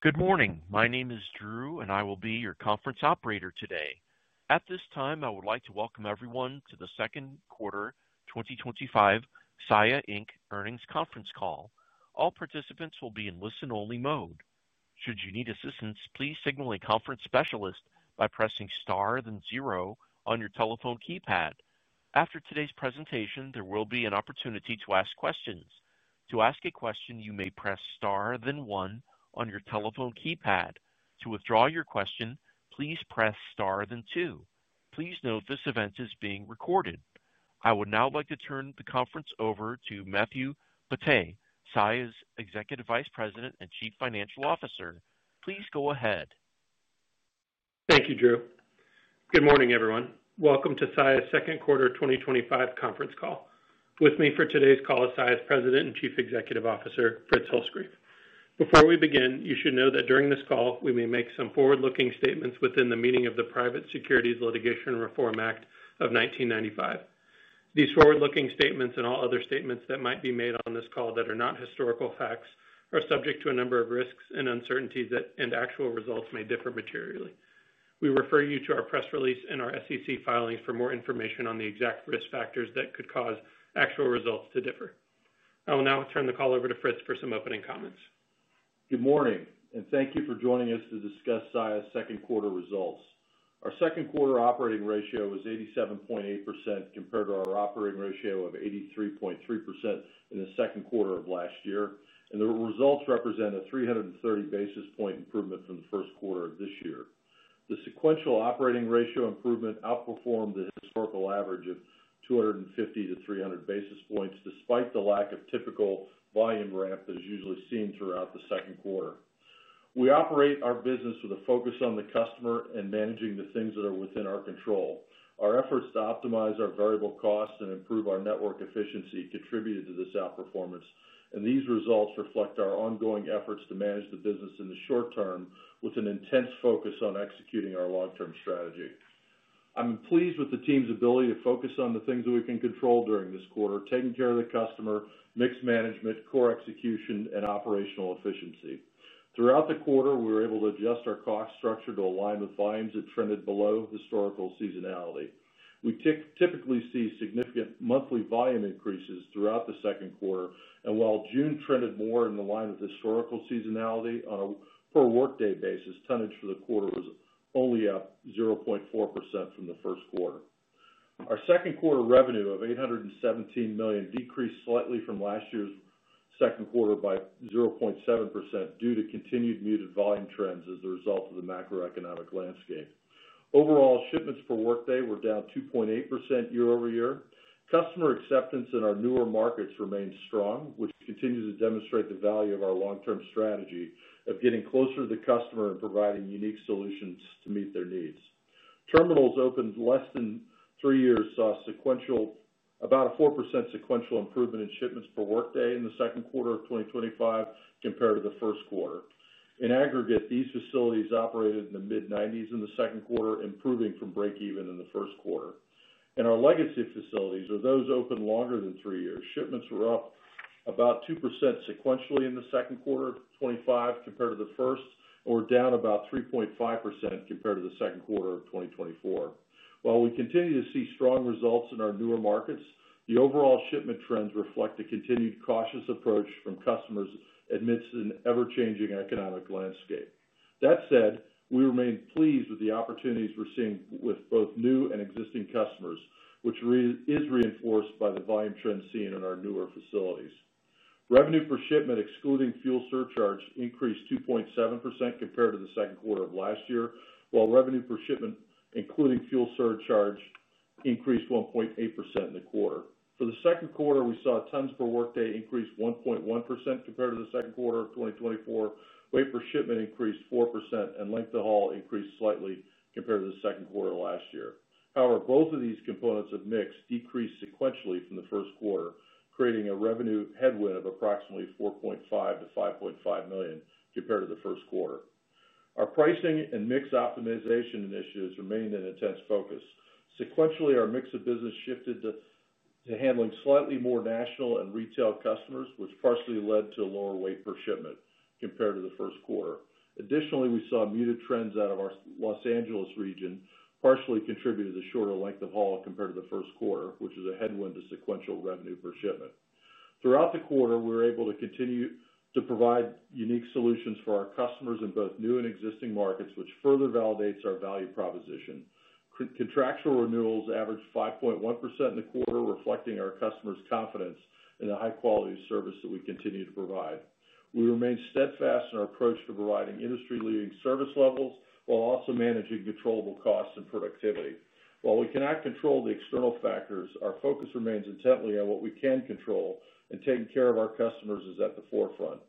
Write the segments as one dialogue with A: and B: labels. A: Good morning. My name is Drew, and I will be your conference operator today. At this time, I would like to welcome everyone to the Second Quarter twenty twenty five Saia Inc. Earnings Conference Call. All participants will be in listen only mode. Please note this event is being recorded. I would now like to turn the conference over to Matthew Bate, Executive Vice President and Chief Financial Officer. Please go ahead.
B: Thank you, Drew. Good morning, everyone. Welcome to Saia's second quarter twenty twenty five conference call. With me for today's call is Saia's President and Chief Executive Officer, Fritz Hulscrief. Before we begin, you should know that during this call, we may make some forward looking statements within the meaning of the Private Securities Litigation Reform Act of 1995. These forward looking statements and all other statements that might be made on this call that are not historical facts are subject to a number of risks and uncertainties and actual results may differ materially. We refer you to our press release and our SEC filings for more information on the exact risk factors that could cause actual results to differ. I will now turn the call over to Fritz for some opening comments.
C: Good morning and thank you for joining us to discuss Saia's second quarter results. Our second quarter operating ratio was 87.8% compared to our operating ratio of 83.3% in the second quarter of last year and the results represent a three thirty basis point improvement from the first quarter of this year. The sequential operating ratio improvement outperformed the historical average of two fifty basis to 300 basis points despite the lack of typical volume ramp that is usually seen throughout the second quarter. We operate our business with a focus on the customer and managing the things that are within our control. Our efforts to optimize our variable cost and improve our network efficiency contributed to this outperformance and these results reflect our ongoing efforts to manage the business in the short term with an intense focus on executing our long term strategy. I'm pleased with the team's ability to focus on the things that we can control during this quarter, taking care of the customer, mix management, core execution and operational efficiency. Throughout the quarter, we were able to adjust our cost structure to align with volumes that trended below historical seasonality. We typically see significant monthly volume increases throughout the second quarter and while June trended more in the line of historical seasonality on a per workday basis, tonnage for the quarter was only up 0.4% from the first quarter. Our second quarter revenue of $817,000,000 decreased slightly from last year's second quarter by 0.7% due to continued muted volume trends as a result of the macroeconomic landscape. Overall shipments for Workday were down 2.8% year over year. Customer acceptance in our newer markets remained strong, which continues to demonstrate the value of our long term strategy of getting closer to the customer and providing unique solutions to meet their needs. Terminals opened less than three years saw sequential about a 4% sequential improvement in shipments per workday in the 2025 compared to the first quarter. In aggregate, these facilities operated in the mid-90s in the second quarter improving from breakeven in the first quarter. In our legacy facilities, with those open longer than three years, shipments were up about 2% sequentially in the '25 compared to the first or down about 3.5% compared to the second quarter of twenty twenty four. While we continue to see strong results in our newer markets, the overall shipment trends reflect the continued cautious approach from customers amidst an ever changing economic landscape. That said, we remain pleased with the opportunities we're seeing with both new and existing customers, which is reinforced by the volume trends seen in our newer facilities. Revenue per shipment excluding fuel surcharge increased 2.7% compared to the second quarter of last year, while revenue per shipment including fuel surcharge increased 1.8% in the quarter. For the second quarter, we saw tons per workday increased 1.1% compared to the second quarter of twenty twenty four, weight per shipment increased 4% and length of haul increased slightly compared to the second quarter last year. However, both of these components of mix decreased sequentially from the first quarter, creating a revenue headwind of approximately 4,500,000.0 to $5,500,000 compared to the first quarter. Our pricing and mix optimization initiatives remain an intense focus. Sequentially, our mix of business shifted to handling slightly more national and retail customers, which partially led to lower weight per shipment compared to the first quarter. Additionally, we saw muted trends out of our Los Angeles region partially contributed to shorter length of haul compared to the first quarter, which is a headwind to sequential revenue per shipment. Throughout the quarter, we were able to continue to provide unique solutions for our customers in both new and existing markets, which further validates our value proposition. Contractual renewals averaged 5.1% in the quarter, reflecting our customers' confidence in the high quality service that we continue to provide. We remain steadfast in our approach to providing industry leading service levels, while also managing controllable costs and productivity. While we cannot control the external factors, our focus remains intently on what we can control and taking care of our customers is at the forefront.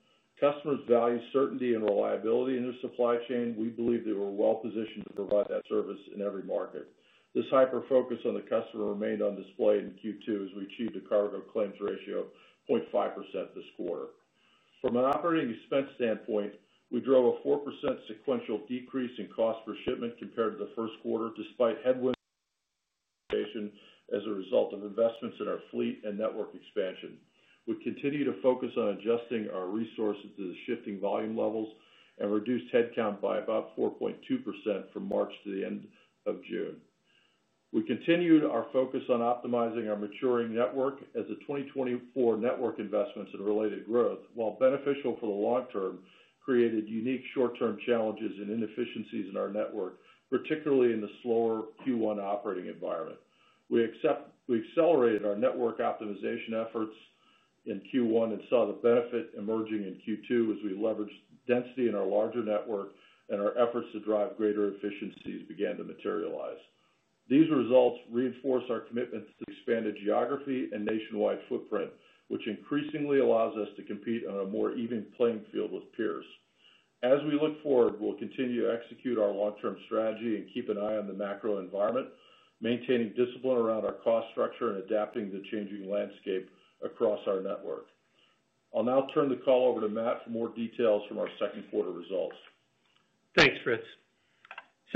C: Customers value certainty and reliability in their supply chain. We believe that we're well positioned to provide that service in every market. This hyper focus on the customer remained on display in Q2 as we achieved a cargo claims ratio of 0.5 this quarter. From an operating expense standpoint, we drove a 4% sequential decrease in cost per shipment compared to the first quarter despite headwinds as a result of investments in our fleet and network expansion. We continue to focus on adjusting our resources to the shifting volume levels and reduced headcount by about 4.2% from March to the June. We continued our focus on optimizing our maturing network as the 2024 network investments and related growth, while beneficial for the long term, created unique short term challenges and inefficiencies in our network, particularly in the slower Q1 operating environment. We accelerated our network optimization efforts in Q1 and saw the benefit emerging in Q2 as we leveraged density in our larger network and our efforts to drive greater efficiencies began to materialize. These results reinforce our commitment to expanded geography and nationwide footprint, which increasingly allows us to compete on a more even playing field with peers. As we look forward, we'll continue to execute our long term strategy and keep an eye on the macro environment, maintaining discipline around our cost structure and adapting the changing landscape across our network. I'll now turn the call over to Matt for more details from our second quarter results.
B: Thanks, Fritz.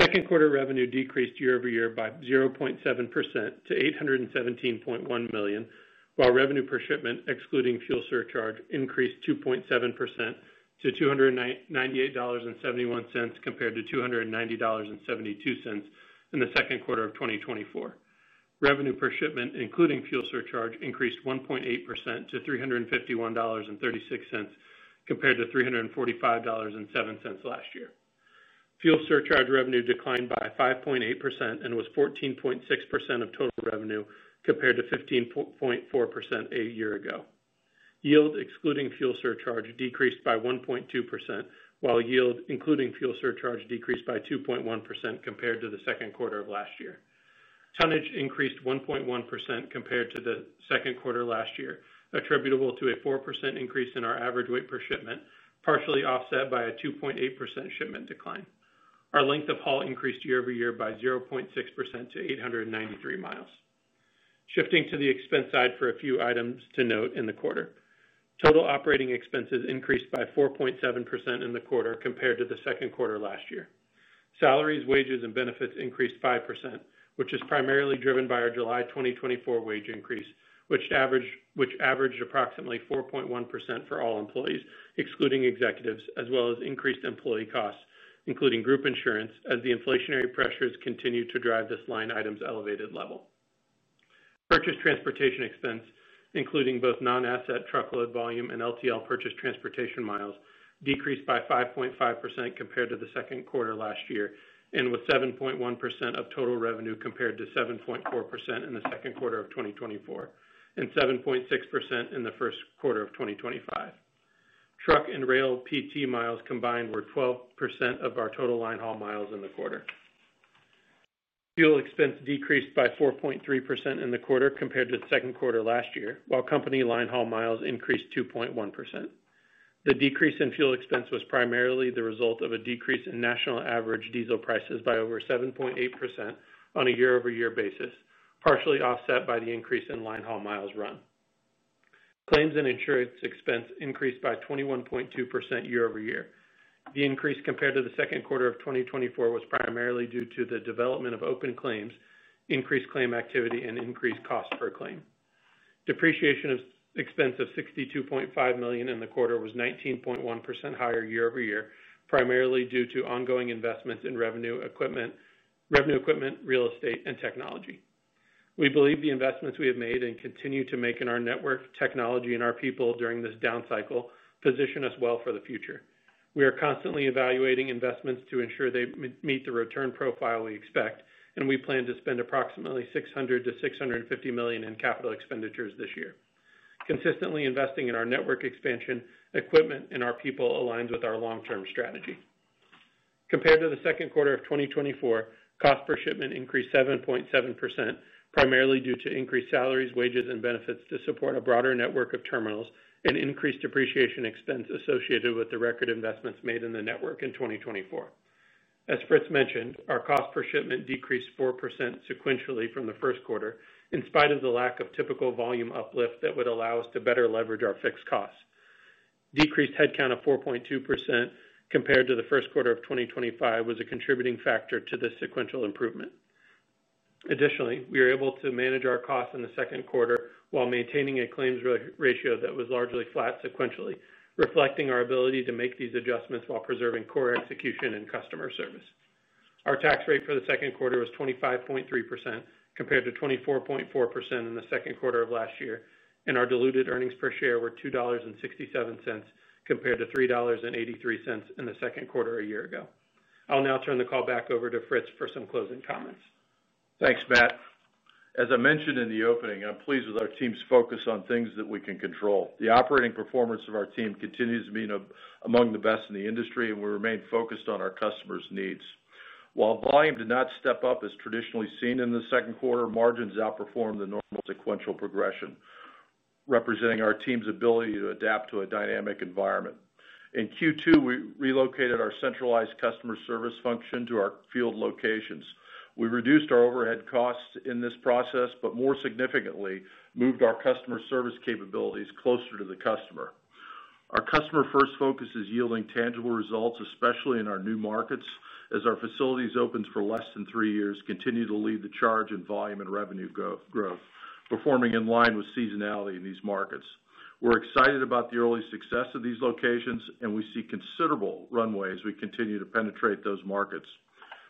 B: Second quarter revenue decreased year over year by 0.7% to $817,100,000 while revenue per shipment excluding fuel surcharge increased 2.7 to $298.71 compared to $290.72 in the second quarter of twenty twenty four. Revenue per shipment including fuel surcharge increased 1.8% to 3 and $51.36 compared to $345.07 last year. Fuel surcharge revenue declined by 5.8% and was 14.6% of total revenue compared to 15.4% a year ago. Yield excluding fuel surcharge decreased by 1.2 while yield including fuel surcharge decreased by 2.1% compared to the second quarter of last year. Tonnage increased 1.1% compared to the second quarter last year, attributable to a 4% increase in our average weight per shipment, partially offset by a 2.8 shipment decline. Our length of haul increased year over year by 0.6% to eight ninety three miles. Shifting to the expense side for a few items to note in the quarter. Total operating expenses increased by 4.7% in the quarter compared to the second quarter last year. Salaries, wages and benefits increased 5%, which is primarily driven by our July 2024 wage increase, which averaged approximately 4.1% for all employees, excluding executives as well as increased employee costs, including group insurance as the inflationary pressures continue to drive this line items elevated level. Purchased transportation expense including both non asset truckload volume and LTL purchased transportation miles decreased by 5.5% compared to the second quarter last year and was 7.1% of total revenue compared to 7.4% in the 2024 and seven point six percent in the first quarter of twenty twenty five. Truck and rail PT miles combined were 12% of our total line haul miles in the quarter. Fuel expense decreased by 4.3% in the quarter compared to the second quarter last year, while company line haul miles increased 2.1%. The decrease in fuel expense was primarily the result of a decrease in national average diesel prices by over 7.8% on a year over year basis, partially offset by the increase in line haul miles run. Claims and insurance expense increased by 21.2% year over year. The increase compared to the 2024 was primarily due to the development of open claims, increased claim activity and increased cost per claim. Depreciation expense of $62,500,000 in the quarter was 19.1% higher year over year primarily due to ongoing investments in revenue equipment, real estate and technology. We believe the investments we have made and continue to make in our network, technology and our people during this down cycle position us well for the future. We are constantly evaluating investments to ensure they meet the return profile we expect and we plan to spend approximately 600,000,000 to $650,000,000 in capital expenditures this year. Consistently investing in our network expansion, equipment and our people aligns with our long term strategy. Compared to the second quarter of twenty twenty four, cost per shipment increased 7.7% primarily due to increased salaries, wages and benefits to support a broader network of terminals and increased depreciation expense associated with the record investments made in the network in 2024. As Fritz mentioned, our cost per shipment decreased 4% sequentially from the first quarter in spite of the lack of typical volume uplift that would allow us to better leverage our fixed costs. Decreased headcount of 4.2% compared to the 2025 was a contributing factor to the sequential improvement. Additionally, we were able to manage our costs in the second quarter while maintaining a claims ratio that was largely flat sequentially, reflecting our ability to make these adjustments while preserving core execution and customer service. Our tax rate for the second quarter was 25.3% compared to 24.4% in the second quarter of last year and our diluted earnings per share were $2.67 compared to $3.83 in the second quarter a year ago. I'll now turn the call back over to Fritz for some closing comments.
C: Thanks, Matt. As I mentioned in the opening, I'm pleased with our team's focus on things that we can control. The operating performance of our team continues to be among the best in the industry and we remain focused on our customers' needs. While volume did not step up as traditionally seen in the second quarter, margins outperformed the normal sequential progression, representing our team's ability to adapt to a dynamic environment. In Q2, we relocated our centralized customer service function to our field locations. We reduced our overhead costs in this process, but more significantly moved our customer service capabilities closer to the customer. Our customer first focus is yielding tangible results, especially in our new markets as our facilities opened for less than three years continue to lead the charge in volume and revenue growth, performing in line with seasonality in these markets. We're excited about the early success of these locations and we see considerable runway as we continue to penetrate those markets.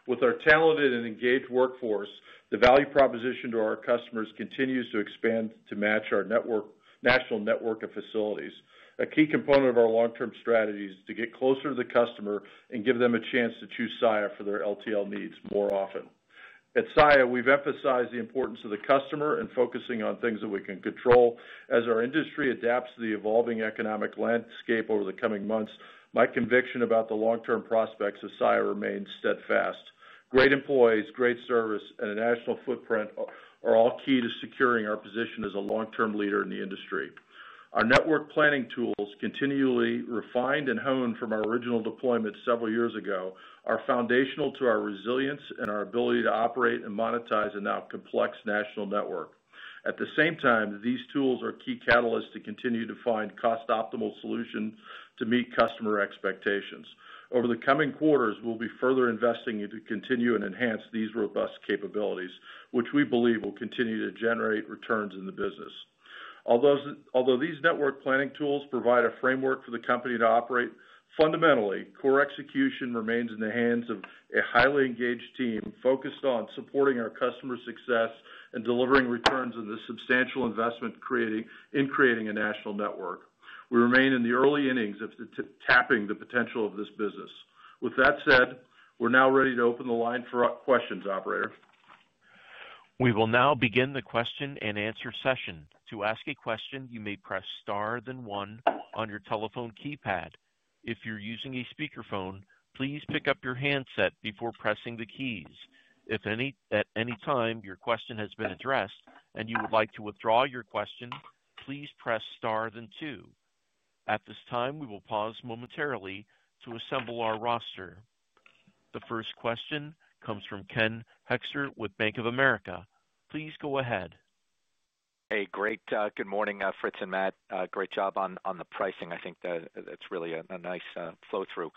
C: With our talented and engaged workforce, the value proposition to our customers continues to expand to match our network national network of facilities. A key component of our long term strategy is to get closer to the customer and give them a chance to choose Saia for their LTL needs more often. At Saia, we've emphasized the importance of the customer and focusing on things that we can control As our industry adapts to the evolving economic landscape over the coming months, my conviction about the long term prospects of Saia remains steadfast. Great employees, great service and a national footprint are all key to securing our position as a long term leader in the industry. Our network planning tools continually refined and honed from our original deployment several years ago are foundational to our resilience and our ability to operate and monetize in our complex national network. At the same time, these tools are key catalysts to continue to find cost optimal solution to meet customer expectations. Over the coming quarters, we'll be further investing to continue and enhance these robust capabilities, which we believe will continue to generate returns in the business. Although these network planning tools provide a framework for the company to operate fundamentally, core execution remains in the hands of a highly engaged team focused on supporting our customer success and delivering returns in the substantial investment in creating a national network. We remain in the early innings of tapping the potential of this business. With that said, we're now ready to open the line for questions, operator.
A: We will now begin the question and answer session. The first question comes from Ken Hoexter with Bank of America. Please go ahead.
D: Hey, great. Good morning, Fritz and Matt. Great job on the pricing. I think that's really a nice flow through.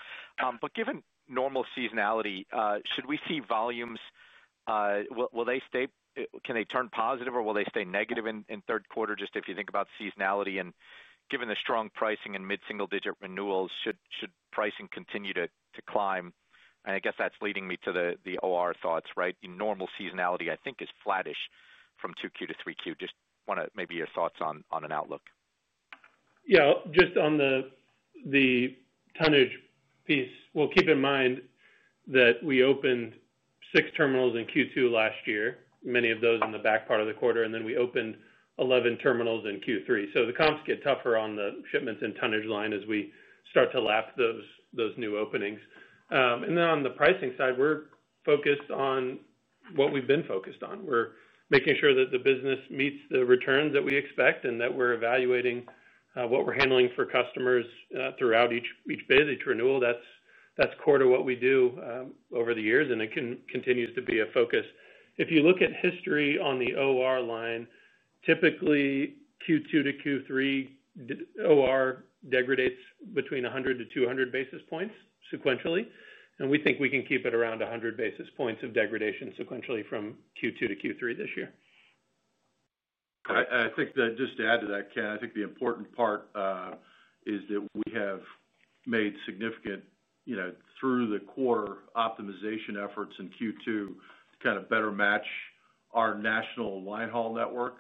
D: But given normal seasonality, should we see volumes will they stay can they turn positive or will they stay negative in third quarter just if you think about seasonality? And given the strong pricing and mid single digit renewals, should pricing continue to climb? I guess that's leading me to the OR thoughts, Normal seasonality I think is flattish from 2Q to 3Q. Just want to maybe your thoughts on an outlook.
B: Yes. Just on the tonnage piece, well keep in mind that we opened six terminals in Q2 last year, many of those in the back part of the quarter and then we opened 11 terminals in Q3. So the comps get tougher on the shipments and tonnage line as we start to lap those new openings. And then on the pricing side, we're focused on what we've been focused on. We're making sure that the business meets the returns that we expect and that we're evaluating what we're handling for customers throughout each bid, each renewal that's core to what we do over the years and it continues to be a focus. If you look at history on the OR line, typically Q2 to Q3 OR degradates between 100 to 200 basis points sequentially. And we think we can keep it around 100 basis points of degradation sequentially from Q2 to Q3 this year.
C: I think that just to add to that, Ken, I think the important part is that we have made significant you know, the quarter optimization efforts in Q2 to kind of better match our national line haul network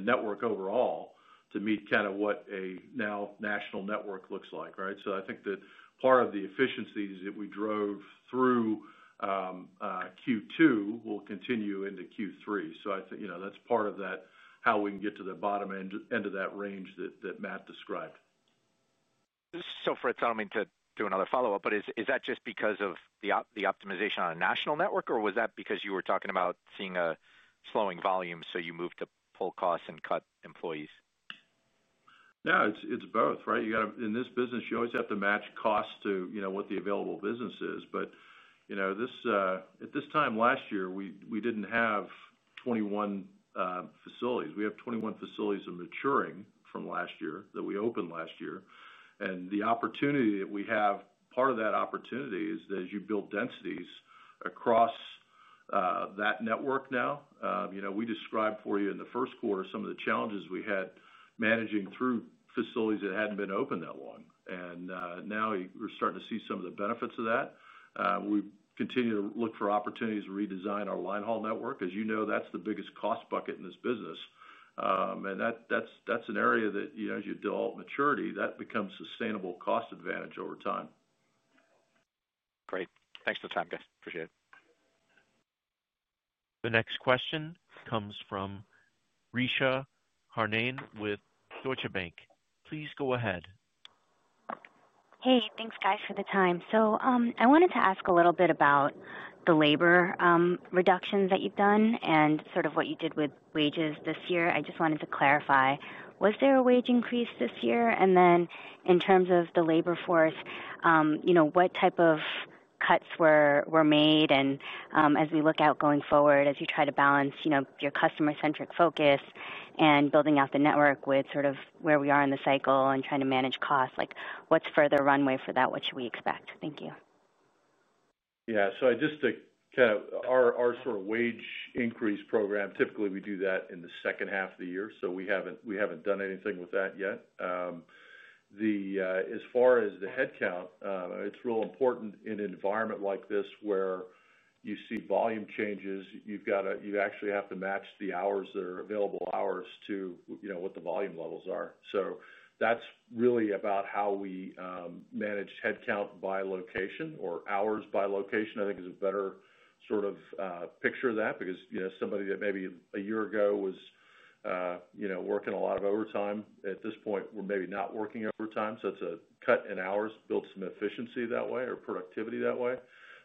C: network overall to meet kind of what a now national network looks like, right. So I think that part of the efficiencies that we drove through Q2 will continue into Q3. So that's part of that how we can get to the bottom end of that range that Matt described.
D: So Fred, don't mean to do another follow-up, but is that just because of the optimization on a national network or was that because you were talking about seeing a slowing volume, so you move to pull costs and cut employees?
C: No, it's both, right. You got to in this business, you always have to match costs to what the available business is. But this at this time last year, we didn't have 21 facilities. We have 21 facilities maturing from last year that we opened last year. And the opportunity that we have, part of that opportunity is that as you build densities across that network now, we described for you in the first quarter some of the challenges we had managing through facilities that hadn't been opened that long. And now we're starting to see some of the benefits of that. We continue to look for opportunities to redesign our line haul network. As you know, that's the biggest cost bucket in this business. And that's an area that as you develop maturity that becomes sustainable cost advantage over time.
D: Great. Thanks for the time guys. Appreciate it.
A: The next question comes from Risha Harnane with Deutsche Bank. Please go ahead.
E: Hey, thanks guys for the time. So I wanted to ask a little bit about the labor reductions that you've done and sort of what you did with wages this year. I just wanted to clarify, was there a wage increase this year? And then in terms of the labor force, what type of cuts were made? And as we look out going forward, as you try to balance your customer centric focus and building out the network with sort of where we are in the cycle and trying to manage costs like what's further runway for that which we expect? Thank you.
C: Yes. So just to kind of our sort of wage increase program, typically we do that in the second half of the year. So we haven't done anything with that yet. The as far as the headcount, it's real important in an environment like this where you see volume changes, you've got to you actually have to match the hours that are available hours to what the volume levels are. So that's really about how we manage headcount by location or hours by location, I think is a better sort of picture that because somebody that maybe a year ago was working a lot of overtime at this point, we're maybe not working overtime. So it's a cut in hours, built some efficiency that way or productivity that way.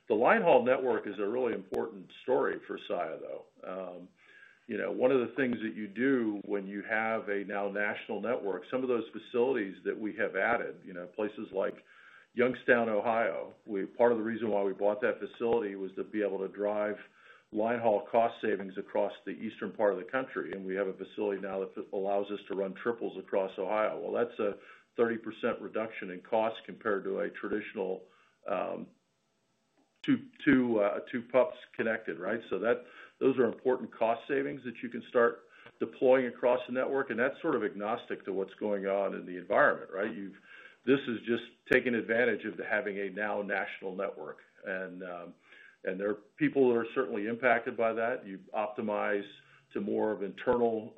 C: The line haul network is a really important story for Saia though. One of the things that you do when you have a now national network, some of those facilities that we have added, places like Youngstown, Ohio, part of the reason why we bought that facility was to be able to drive line haul cost savings across the eastern part of the country. And we have a facility now that allows us to run triples across Ohio. Well, that's a 30% reduction in cost compared to a traditional two pups connected, right. So that those are important cost savings that you can start deploying across the network and that's sort of agnostic to what's going on in the environment, right. This is just taking advantage of having a now national network and there are people that are certainly impacted by that. You optimize to more of internal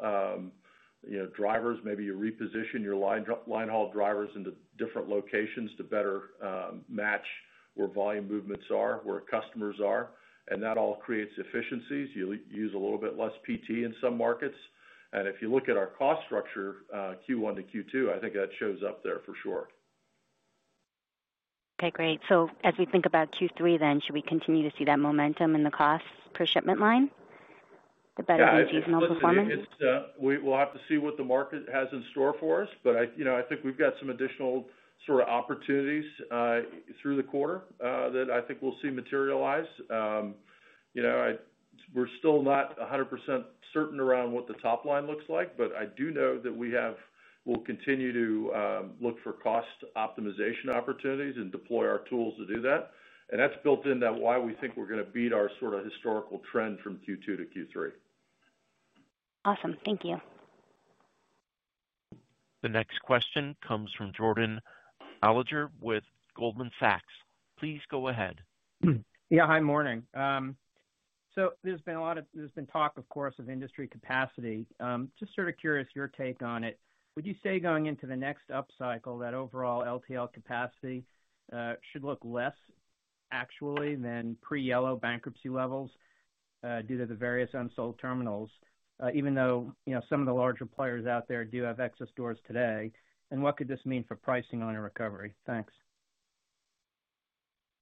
C: drivers, maybe you reposition your line haul drivers into different locations to better match where volume movements are, where customers are, and that all creates efficiencies. You use a little bit less PT in some markets. And if you look at our cost structure Q1 to Q2, I think that shows up there for sure.
E: Okay, great. So as we think about Q3 then, should we continue to see that momentum in the cost per shipment line, the better than seasonal I
C: think it's we'll have to see what the market has in store for us. But I think we've got some additional sort of opportunities through the quarter that I think we'll see materialize. We're still not 100% certain around what the top line looks like, but I do know that we have we'll continue to look for cost optimization opportunities and deploy our tools to do that. And that's built in that why we think we're going to beat our sort of historical trend from Q2 to Q3.
E: Awesome. Thank you.
A: The next question comes from Jordan Alliger with Goldman Sachs. Please go ahead.
F: Yes. Hi, morning. So there's been a lot of there's been talk of course of industry capacity. Just sort of curious your take on it. Would you say going into the next up cycle that overall LTL capacity should look less actually than pre yellow bankruptcy levels due to the various unsold terminals, even some of the larger players out there do have excess stores today? And what could this mean for pricing on a recovery? Thanks.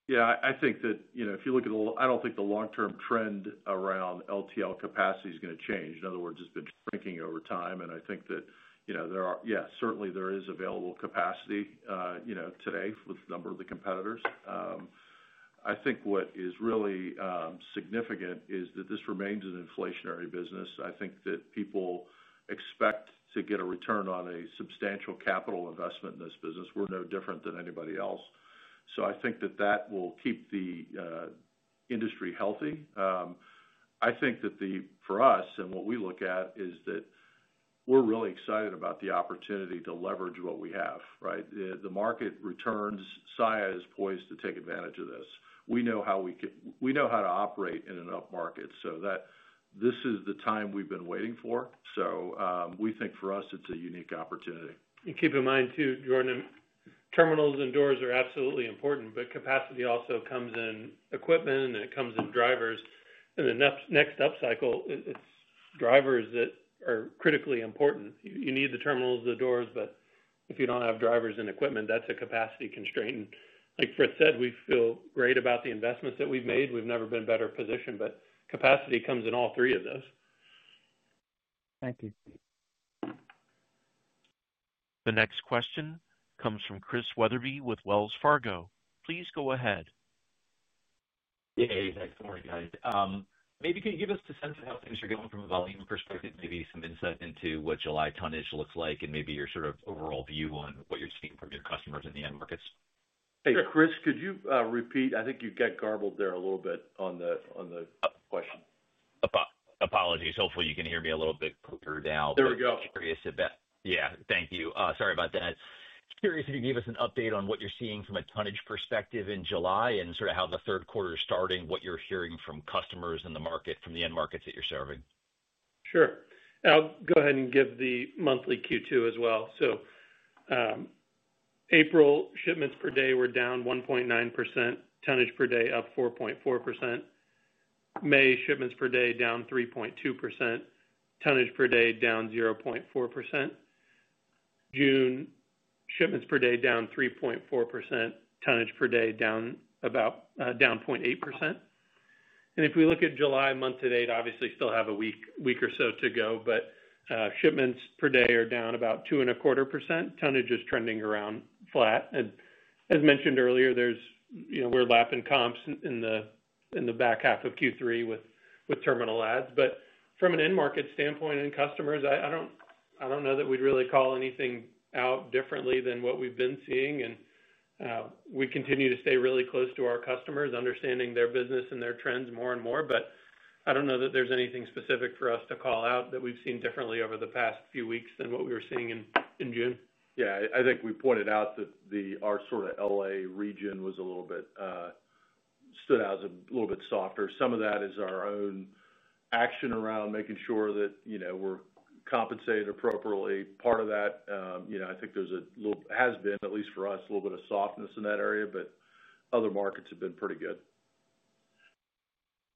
C: Yes, I think that if you look at the I don't think the long term trend around LTL capacity is going to change. In other words, it's been shrinking over time. And I think that there are yes, certainly there is available capacity today with a number of the competitors. I think what is really significant is that this remains an inflationary business. I think that people expect to get a return on a substantial capital investment in this business. We're no different than anybody else. So I think that that will keep the industry healthy. I think that the for us and what we look at is that we're really excited about the opportunity to leverage what we have, right. The market returns, Saia is poised to take advantage of this. We know how we can we know how to operate in an up market, so that this is the time we've been waiting for. So we think for us it's a unique opportunity.
B: And keep in mind too, Jordan, terminals and doors are absolutely important, but capacity also comes in equipment and it comes in drivers. And the next up cycle, it's drivers that are critically important. You need the terminals, the doors, but if you don't have drivers and equipment, that's a capacity constraint. Like Fritz said, we feel great about the investments that we've made. We've never been better positioned, but capacity comes in all three of those.
F: Thank you.
A: The next question comes from Chris Wetherbee with Wells Fargo. Please go ahead.
G: Hey, good morning guys. Maybe can you give us a sense of how things are going from a volume perspective, maybe some insight into what July tonnage looks like and maybe your sort of overall view on what you're seeing from your customers in the end markets?
C: Chris, could you repeat? I think you got garbled there a little bit on the question.
G: Apologies. Hopefully, you can hear me a little bit poker now. There we go. Thank you. Sorry about that. Just curious if you can give us an update on what you're seeing from a tonnage perspective in July and sort of how the third quarter is starting, what you're hearing from customers in the market from the end markets that you're serving?
B: Sure. I'll go ahead and give the monthly Q2 as well. So April shipments per day were down 1.9%, tonnage per day up 4.4%, May shipments per day down 3.2%, tonnage per day down 0.4%, June shipments per day down 3.4%, tonnage per day down down 0.8%. And if we look at July month to date obviously still have a week or so to go, but shipments per day are down about 2.25%, tonnage is trending around flat. As mentioned earlier, there's we're lapping comps in the back half of Q3 with terminal adds. But from an end market standpoint and customers, I don't know that we'd really call anything out differently than what we've been seeing. And we continue to stay really close to our customers understanding their business and their trends more and more. But I don't know that there's anything specific for us to call out that we've seen differently over the past few weeks than what
C: we were seeing in June. Yeah, I think we pointed out that the our sort of LA region was a little bit stood out as a little bit softer. Some of that is our own action around making sure that we're compensated appropriately. Part of that, I think there's a little has been at least for us a little bit of softness in that area, but other markets have been pretty good.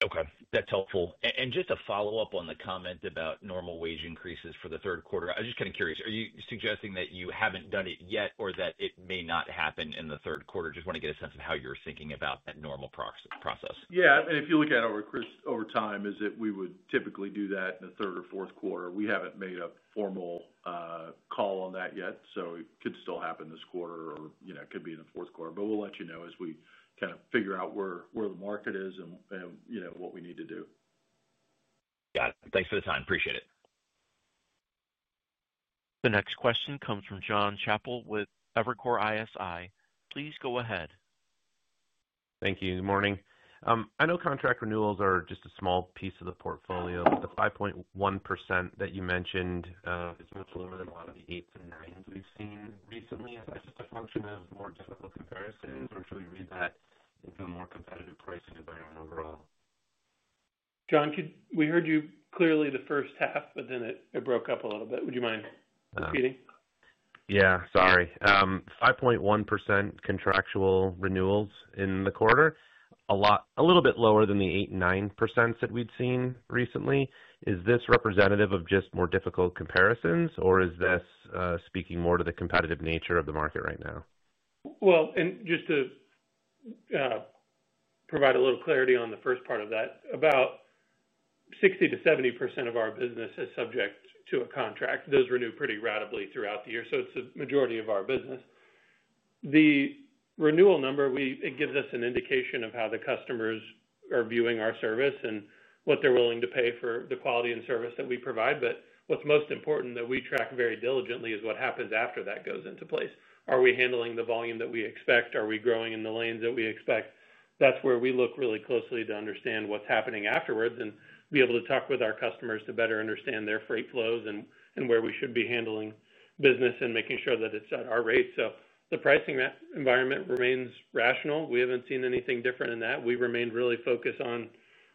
G: Okay. That's helpful. And just a follow-up on the comment about normal wage increases I was just kind of curious, are you suggesting that you haven't done it yet or that it may not happen in the third quarter? Just want to get a sense of how you're thinking about that normal process?
C: Yes. And if you look at it over time is that we would typically do that in the third or fourth quarter. We haven't made a formal call on that yet. So it could still happen this quarter or it could be in the fourth quarter. But we'll let you know as we kind of figure out where the market is and what we need to do.
G: Got it. Thanks for the time. Appreciate it.
A: The next question comes from John Chappell with Evercore ISI. Please go ahead.
H: Thank you. Good morning. I know contract renewals are just a small piece of the portfolio. The 5.1% that you mentioned is much lower than a lot of the 8s and 9s we've seen recently. Is that just a function of more difficult comparisons or should we read that into more competitive pricing overall?
B: John, could we heard you clearly the first half, but then it broke up a little bit. Would you mind repeating?
H: Yes, sorry. 5.1% contractual renewals in the quarter, a lot a little bit lower than the 8%, 9% that we've seen recently. Is this representative of just more difficult comparisons or is this speaking more to the competitive nature of the market right now?
B: Well, and just to provide a little clarity on the first part of that, about 60% to 70% of our business is subject to a contract. Those renew pretty ratably throughout the year. So it's a majority of our business. The renewal number, we it gives us an indication of how the customers are viewing our service and what they're willing to pay for the quality and service that we provide. But what's most important that we track very diligently is what happens after that goes into place. Are we handling the volume that we expect? Are we growing in the lanes that we expect? That's where we look really closely to understand what's happening afterwards and be able to talk with our customers to better understand their freight flows and where we should be handling business and making sure that it's at our rates. So the pricing environment remains rational. We haven't seen anything different in that. We remain really focused on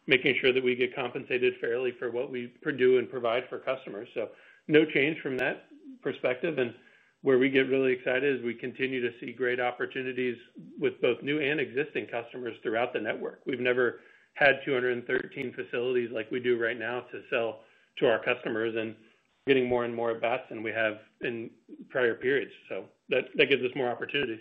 B: making sure that we get compensated fairly for what we do and provide for customers. So no change from that perspective and where we get really excited as we continue to see great opportunities with both new and existing customers throughout the network. We've never had two thirteen facilities like we do right now to sell to our customers and getting more and more of that than we have in prior periods. Gives us more opportunities.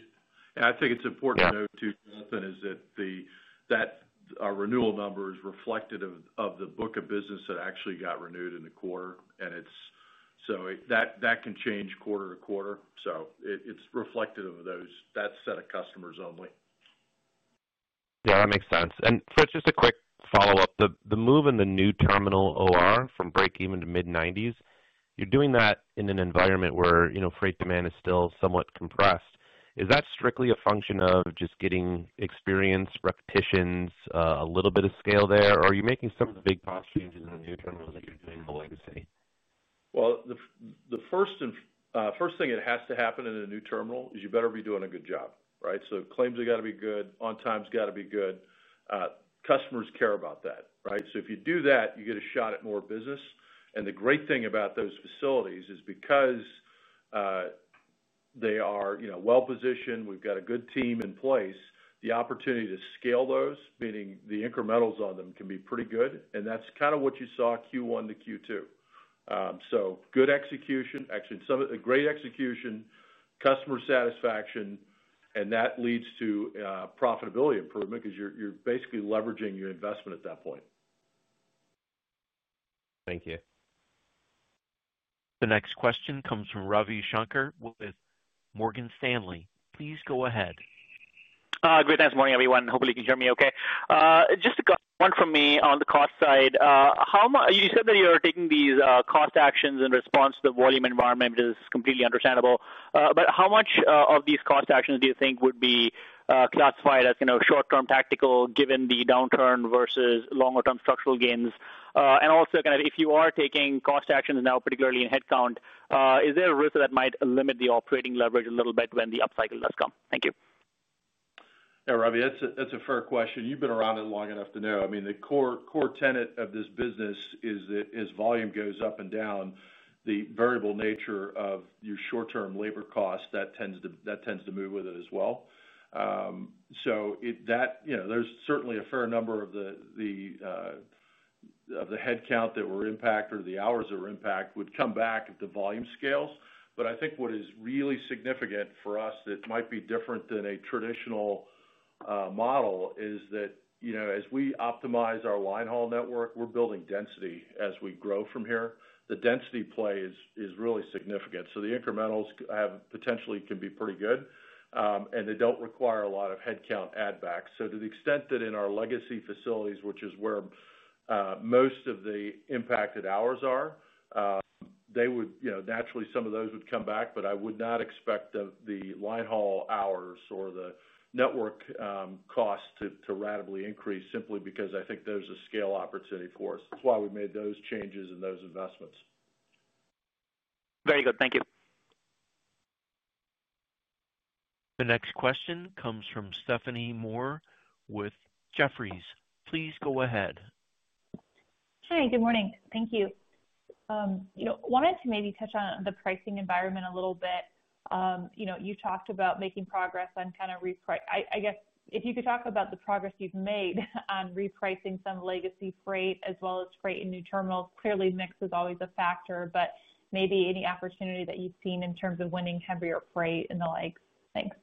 C: I think it's important to note too, Jonathan, is that the that our renewal number is reflected of the book of business that actually got renewed in the quarter. And it's so that can change quarter to quarter. So it's reflective of those that set of customers only.
H: Yes, that makes sense. And Fritz, just a quick follow-up. The move in the new terminal OR from breakeven to mid-90s, you're doing that in an environment where freight demand is still somewhat compressed. Is that strictly a function of just getting experience, repetitions, a little bit of scale there? Are you making some of the big cost changes in the new terminals that you're doing in the legacy?
C: Well, the first thing that has to happen in the new terminal is you better be doing a good job, right. So claims are going to be good, on time has got to be good, customers care about that, right. So if you do that, you get a shot at more business. And the great thing about those facilities is because they are well positioned, we've got a good team in place, the opportunity to scale those, meaning the incrementals on them can be pretty good. And that's kind of what you saw Q1 to Q2. So good execution, actually some great execution, customer satisfaction and that leads to profitability improvement because you're basically leveraging your investment at that point.
H: Thank you.
A: The next question comes from Ravi Shankar with Morgan Stanley. Please go ahead.
I: Great. Nice morning, everyone. Hopefully, you can hear me okay. Just one from me on the cost side. How you said that you're taking these cost actions in response to the volume environment, which is completely understandable. But how much of these cost actions do you think would be classified as short term tactical given the downturn versus longer term structural gains? And also kind of if you are taking cost actions now particularly in headcount, is there a risk that might limit the operating leverage a little bit when the up cycle does come? Thank you.
C: Ravi, that's a fair question. You've been around it long enough to know. I mean the core tenet of this business is that as volume goes up and down, the variable nature of your short term labor costs that tends to move with it as well. So that there's certainly a fair number of the headcount that were impacted or the hours that were impacted would come back if the volume scales. But I think what is really significant for us that might be different than a traditional model is that as we optimize our line haul network, we're building density as we grow from here. The density plays is really significant. So the incrementals have potentially can be pretty good. And they don't require a lot of headcount add backs. So to the extent that in our legacy facilities, which is where most of the impacted hours are, they would naturally some of those would come back, but I would not expect the line haul hours or the network cost to ratably increase simply because I think there's a scale opportunity for us. That's why we made those changes and those investments.
I: Very good. Thank you.
A: The next question comes from Stephanie Moore with Jefferies. Please go ahead.
J: Hi, good morning. Thank you. I wanted to maybe touch on the pricing environment a little bit. You talked about making progress on kind of I guess, you could talk about the progress you've made on repricing some legacy freight as well as freight in new terminals. Clearly, is always a factor, but maybe any opportunity that you've seen in terms of winning heavier freight and the like? Thanks.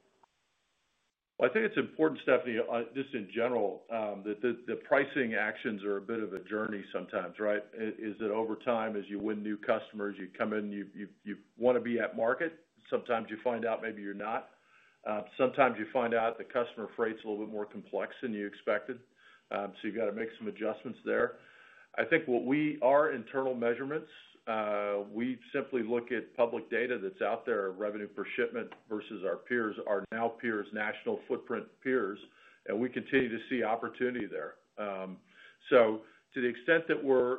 C: Well, I think it's important, Stephanie, just in general, that the pricing actions are a bit of a journey sometimes, right? Is it over time as you win new customers, you come in, want to be at market, sometimes you find out maybe you're not, sometimes you find out the customer freight is a little bit more complex than you expected. So you got to make some adjustments there. I think what we are internal measurements, we simply look at public data that's out there, revenue per shipment versus our peers, our now peers, national footprint peers, and we continue to see opportunity there. So to the extent that we're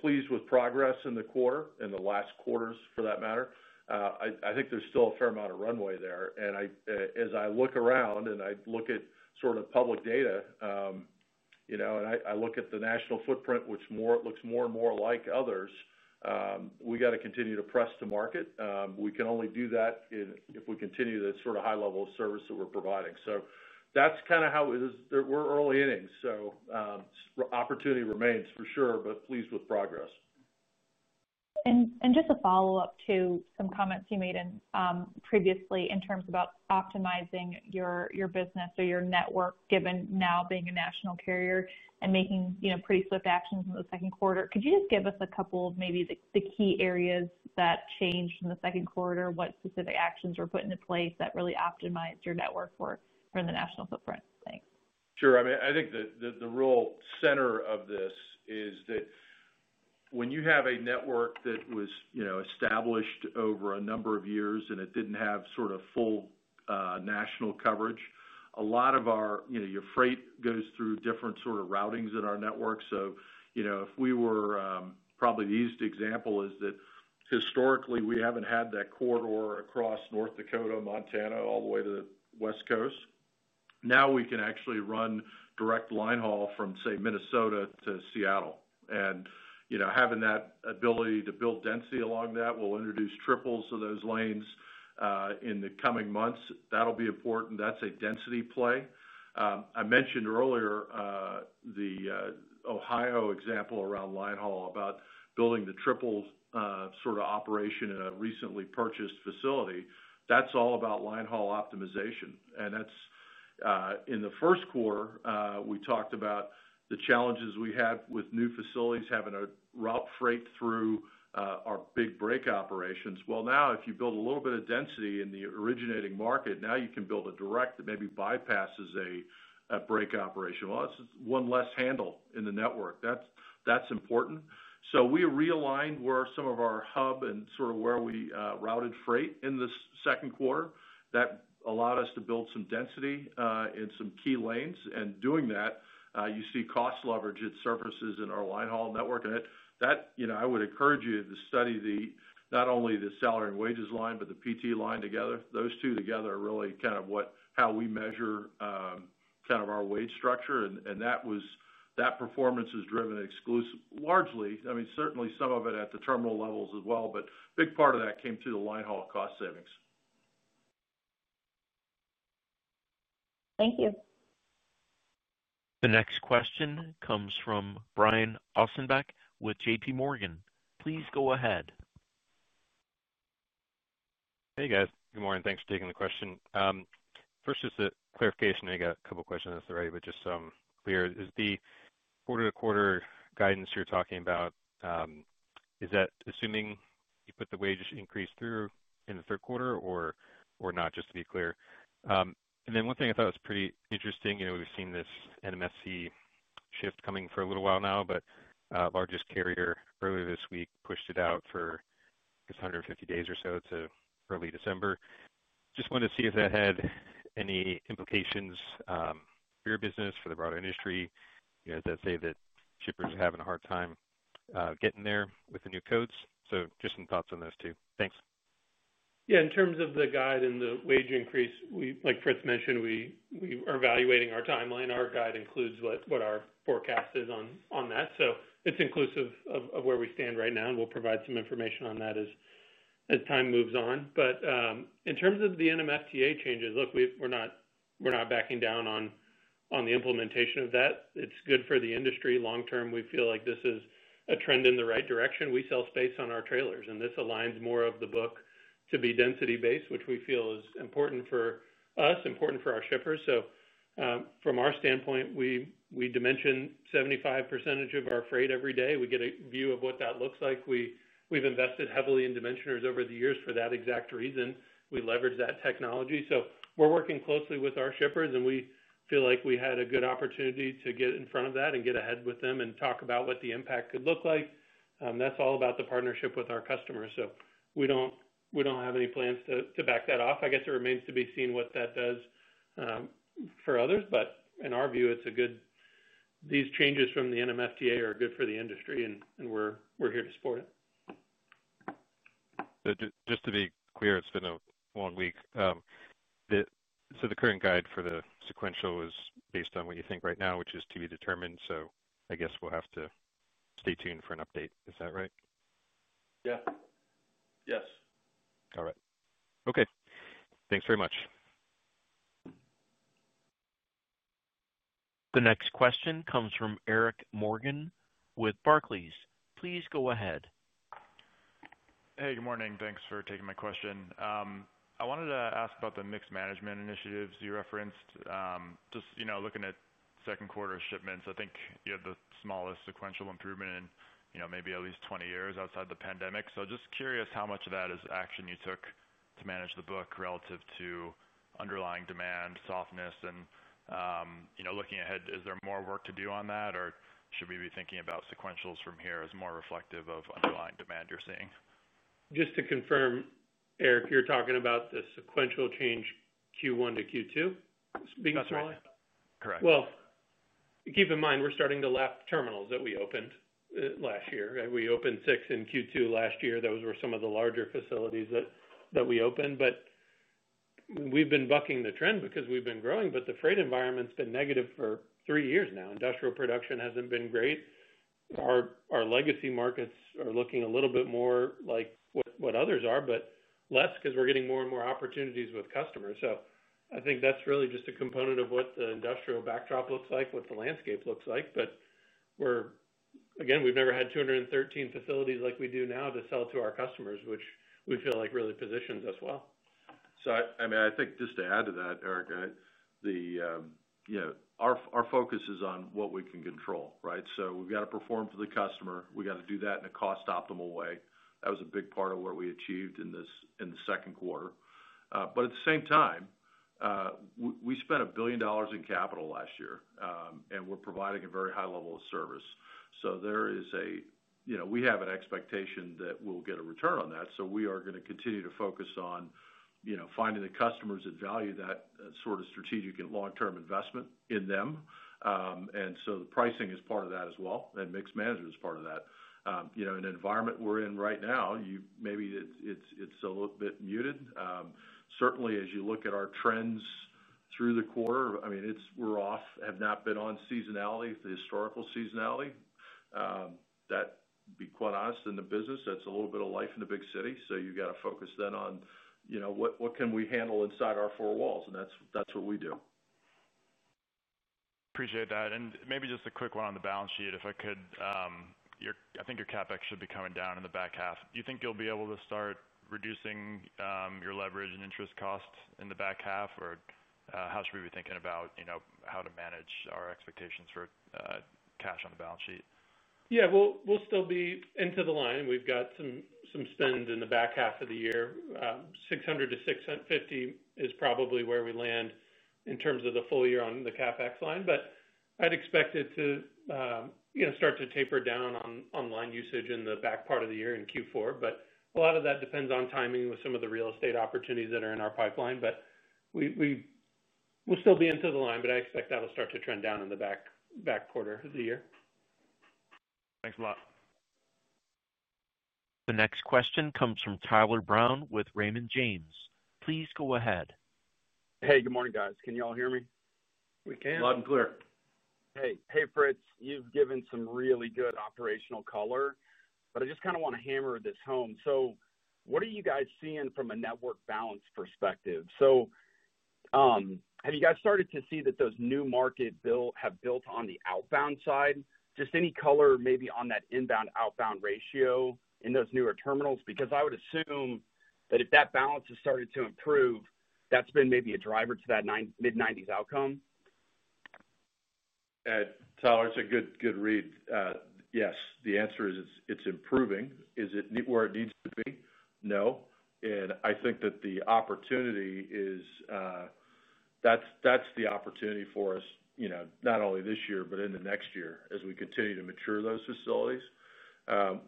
C: pleased with progress in the quarter, in the last quarters for that matter, I think there's still a fair amount of runway there. And as I look around and I look at sort of public data, and I look at the national footprint, which more it looks more and more like others, we got to continue to press to market. We can only do that if we continue to sort of high level of service that we're providing. So that's kind of how it is we're early innings. So opportunity remains for sure, but pleased with progress.
J: And just a follow-up to some comments you made previously in terms about optimizing your business or your network given now being a national carrier and making pretty swift actions in the second quarter. Could you just give us a couple of maybe the key areas that changed in the second quarter? What specific actions were put into place that really optimized your network for the national footprint? Thanks.
C: Sure. I mean, think the real center of this is that when you have a network that was established over a number of years and it didn't have sort of full national coverage, a lot of our your freight goes through different sort of routings in our network. If we were probably the easiest example is that historically we haven't had that corridor across North Dakota, Montana all the way to the West Coast. Now we can actually run direct line haul from say Minnesota to Seattle. And having that ability to build density along that, we'll introduce triples of those lanes in the coming months. That'll be important. That's a density play. I mentioned earlier, the Ohio example around line haul about building the triple sort of operation in a recently purchased facility. That's all about line haul optimization. And that's in the first quarter, we talked about the challenges we had with new facilities having to route freight through our big break operations. Well, now if you build a little bit of density in the originating market, now you can build a direct that maybe bypass es a break operation. Well, it's one less handle in the network. That's important. So we realigned where some of our hub and sort of where we routed freight in the second quarter. That allowed us to build some density in some key lanes. And doing that, you see cost leverage at surfaces in our line haul network. That I would encourage you to study the not only the salary and wages line, but the PT line together. Those two together are really kind of what how we measure kind of our wage structure. That was that performance is driven largely, I mean, some of it at the terminal levels as well, but big part of that came through the line haul cost savings.
J: Thank you.
A: The next question comes from Brian Ossenbeck with JPMorgan. Please go ahead.
K: Hey, guys. Good morning. Thanks for taking the question. First, just a clarification. I got a couple of questions, if I'm right, but just clear. Is the quarter to quarter guidance you're talking about, is that assuming you put the wages increase through in the third quarter or not, just to be clear? And then one thing I thought was pretty interesting, we've seen this NMSE shift coming for a little while now, but largest carrier earlier this week pushed it out for, I guess, one hundred and fifty days or so to early December. Just wanted to see if that had any implications for your business, for the broader industry, that say that shippers are having a hard time getting there with the new codes. So just some thoughts on those two. Thanks.
B: Yes. In terms of the guide and the wage increase, like Fritz mentioned, we are evaluating our timeline. Our guide includes what our forecast is on that. So it's inclusive of where we stand right now and we'll provide some information on that as time moves on. But in terms of the NMFTA changes, look, we're not backing down on the implementation of that. It's good for the industry long term. We feel like this is a trend in the right direction. We sell space on our trailers and this aligns more of the book to be density based, which we feel is important for us, important for our shippers. So, from our standpoint, we dimension 75 percentage of our freight every day. We get a view of what that looks like. We've invested heavily in Dimensioners over the years for that exact reason. We leverage that technology. So we're working closely with our shippers and we feel like we had a good opportunity to get in front of that and get ahead with them and talk about what the impact could look like. That's all about the partnership with our customers. So we don't have any plans to back that off. I guess it remains to be seen what that does for others. But in our view, it's a good these changes from the NMFDA are good for the industry and we're here to support it.
K: Just to be clear, it's been a long week. So the current guide for the sequential is based on what you think right now, which is to be determined. So I guess we'll have to stay tuned for an update. Is that right?
C: Yes.
K: All right. Okay. Thanks very much.
A: The next question comes from Eric Morgan with Barclays. Please go ahead.
L: Hey, good morning. Thanks for taking my question. I wanted to ask about the mix management initiatives you referenced. Just looking at second quarter shipments, I think you have the smallest sequential improvement in maybe at least twenty years outside the pandemic. So just curious how much of that is action you took to manage the book relative to underlying demand softness? And looking ahead, is there more work to do on that? Or should we be thinking about sequentials from here as more reflective of underlying demand you're seeing?
B: Just to confirm, Eric, you're talking about the sequential change Q1 to Q2? Correct. Well, keep in mind, we're starting to lap terminals that we opened last year. We opened six in Q2 last year. Those were some of the larger facilities that we opened. But we've been bucking the trend because we've been growing, but the freight environment has been negative for three years now. Industrial production hasn't been great. Our legacy markets are looking a little bit more like what others are, but less because we're getting more and more opportunities with customers. So I think that's really just a component of what the industrial backdrop looks like, what the landscape looks like. But we're again, we've never had two thirteen facilities like we do now to sell to our customers, which we feel like really positions us well. So I mean, I think just to add to
C: that, Eric, our focus is on what we can control, right? So we've got to perform for the customer. We got to do that in a cost optimal way. That was a big part of what we achieved in this in the second quarter. But at the same time, we spent $1,000,000,000 in capital last year, and we're providing a very high level of service. So there is a we have an expectation that we'll get a return on that. So we are going to continue to focus finding the customers that value that sort of strategic and long term investment in them. And so the pricing is part of that as well and mix management is part of that. In an environment we're in right now, maybe it's a little bit muted. Certainly, as you look at our trends through the quarter, I mean, it's we're off, have not been on seasonality, the historical seasonality. That, to be quite honest, in the business, that's a little bit of life in the big city. So, you've got to focus then what can we handle inside our four walls, and that's what we do.
L: Appreciate that. And maybe just a quick one on the balance sheet, if I could. I think your CapEx should be coming down in the back half. Do you think you'll be able to start reducing your leverage and interest costs in the back half? Or how should we be thinking about how to manage our expectations for cash on the balance sheet?
B: Yes. We'll still be into the line. We've got some spend in the back half of the year, dollars 600,000,000 to $650,000,000 is probably where we land in terms of the full year on the CapEx line. But I'd expect it to start to taper down on line usage in the back part of the year in Q4. But a lot of that depends on timing with some of the real estate opportunities that are in our pipeline. But we'll still be into the line, but I expect that will start to trend down in the back quarter of the year.
L: Thanks a lot.
A: The next question comes from Tyler Brown with Raymond James. Please go ahead.
M: Hey, good morning guys. Can you all hear me?
C: Can. Loud and clear.
M: Hey, Fritz. You've given some really good operational color. But I just kind of want to hammer this home. So what are you guys seeing from a network balance perspective? So have you guys started to see that those new markets have built on the outbound side? Just any color maybe on that inbound outbound ratio in those newer terminals, because I would assume that if that balance has started to improve, that's been maybe a driver to that mid-90s outcome?
C: Tyler, it's a good read. Yes, the answer is it's improving. Is it where it needs to be? No. And I think that the opportunity is that's the opportunity for us not only this year, but into next year as we continue to mature those facilities.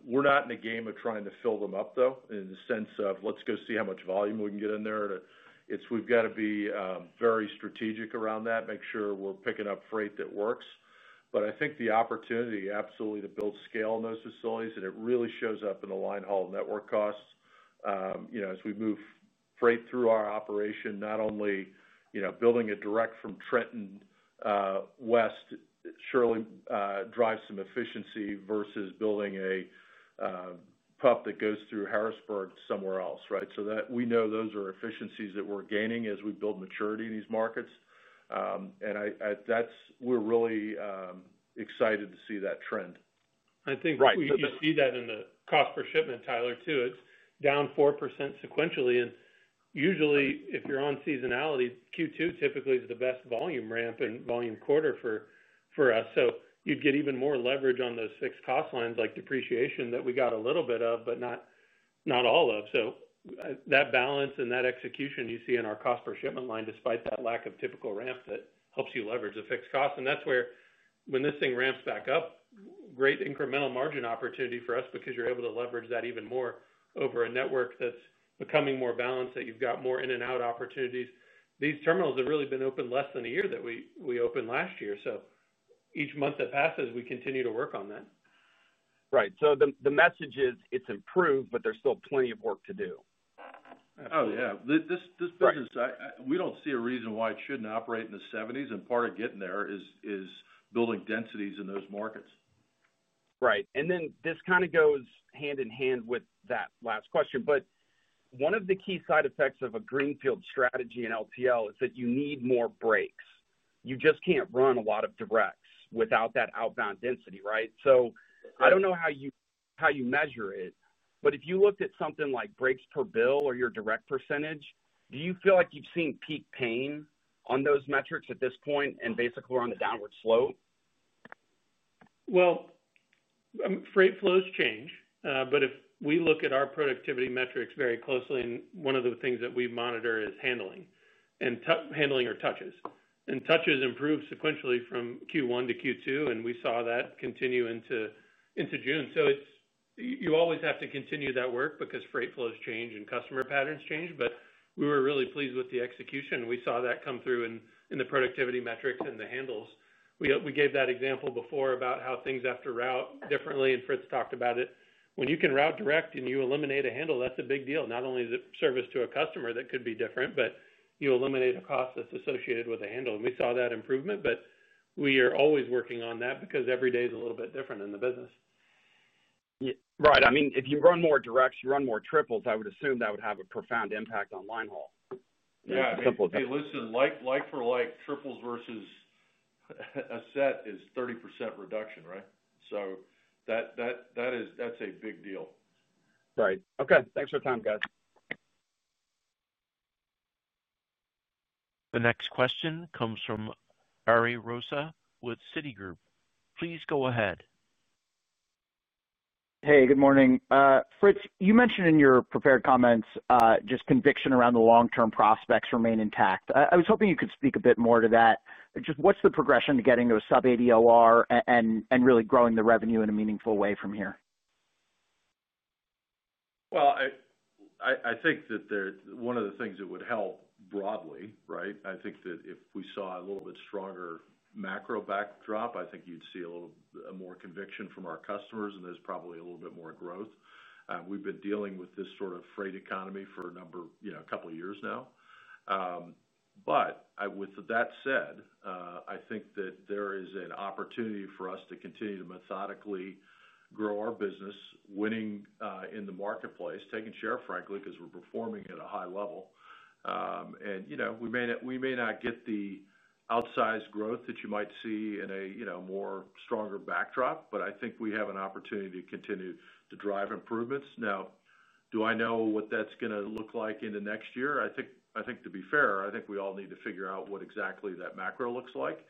C: We're not in the game of trying to fill them up though in the sense of let's go see how much volume we can get in there. It's we've got to be very strategic around that, make sure we're picking up freight that works. But I think the opportunity absolutely to build scale in those facilities and it really shows up in the line haul network costs, as we move freight through our operation, not only building a direct from Trenton West, surely drive some efficiency versus building a pump that goes through Harrisburg somewhere else, right. So that we know those are efficiencies that we're gaining as we build maturity in these markets. And that's we're really excited to see that trend.
B: Think you see that in the cost per shipment Tyler too, it's down 4% sequentially. And usually if you're on seasonality, Q2 typically is the best volume ramp and volume quarter for us. So you'd get even more leverage on those fixed cost lines like depreciation that we got a little bit of, but not all of. So that balance and that execution you see in our cost per shipment line despite that lack typical ramp that helps you leverage the fixed cost. And that's where when this thing ramps back up, great incremental margin opportunity for us because you're able to leverage that even more over a network that's becoming more balanced that you've got more in and out opportunities. These terminals have really been opened less than a year that we opened last year. So each month that passes, we continue to work on that.
M: Right. So the message is it's improved, but there's still plenty of work to do.
C: Yes. Business, we don't see a reason why it shouldn't operate in the 70s and part of getting there is building densities in those markets.
M: Right. And then this kind of goes hand in hand with that last question. But one of the key side effects of a greenfield strategy in LTL is that you need more breaks. You just can't run a lot of directs without that outbound density, right? So I don't know how you measure it. But if you looked at something like breaks per bill or your direct percentage, do you feel like you've seen peak pain on those metrics at this point and basically on the downward slope?
B: Well, freight flows change, but if we look at our productivity metrics very closely and one of the things that we monitor is handling handling or touches. And touches improved sequentially from Q1 to Q2 and we saw that continue into June. So it's you always have to continue that work because freight flows change and customer patterns change, but we were really pleased with the execution. We saw that come through in the productivity metrics and the handles. We gave that example before about how things have to route differently and Fritz talked about it. When you can route direct and you eliminate a handle that's a big deal, not only is it service to a customer that could be different, but you eliminate a cost that's associated with a handle and we saw that improvement. But we are always working on that because every day is a little bit different in the business.
M: Right. I mean, you run more directs, you run more triples, I would assume that would have a profound impact on line haul.
C: Listen, like for like triples versus a set is 30% reduction, right. So that's a big deal.
M: Right. Okay. Thanks for the time guys.
A: The next question comes from Ari Rosa with Citigroup. Please go ahead.
N: Hey, good morning. Fritz, you mentioned in your prepared comments just conviction around the long term prospects remain intact. I was hoping you could speak a bit more to that. Just what's the progression to getting to a sub-eighty percent OR and really growing the revenue in a meaningful way from here?
C: Well, I think that there's one of the things that would help broadly, right, I think that if we saw a little bit stronger macro backdrop, I think you'd see more conviction from our customers and there's probably a little bit more growth. We've been dealing with this sort of freight economy for a number of couple of years now. But with that said, I think that there is an opportunity for us to continue to methodically grow our business winning in the marketplace, taking share frankly because we're performing at a high level. And we not get the outsized growth that you might see in a more stronger backdrop, but I think we have an opportunity to continue to drive improvements. Now, do I know what that's going to look like into next year? I to be fair, I think we all need to figure out what exactly that macro looks like.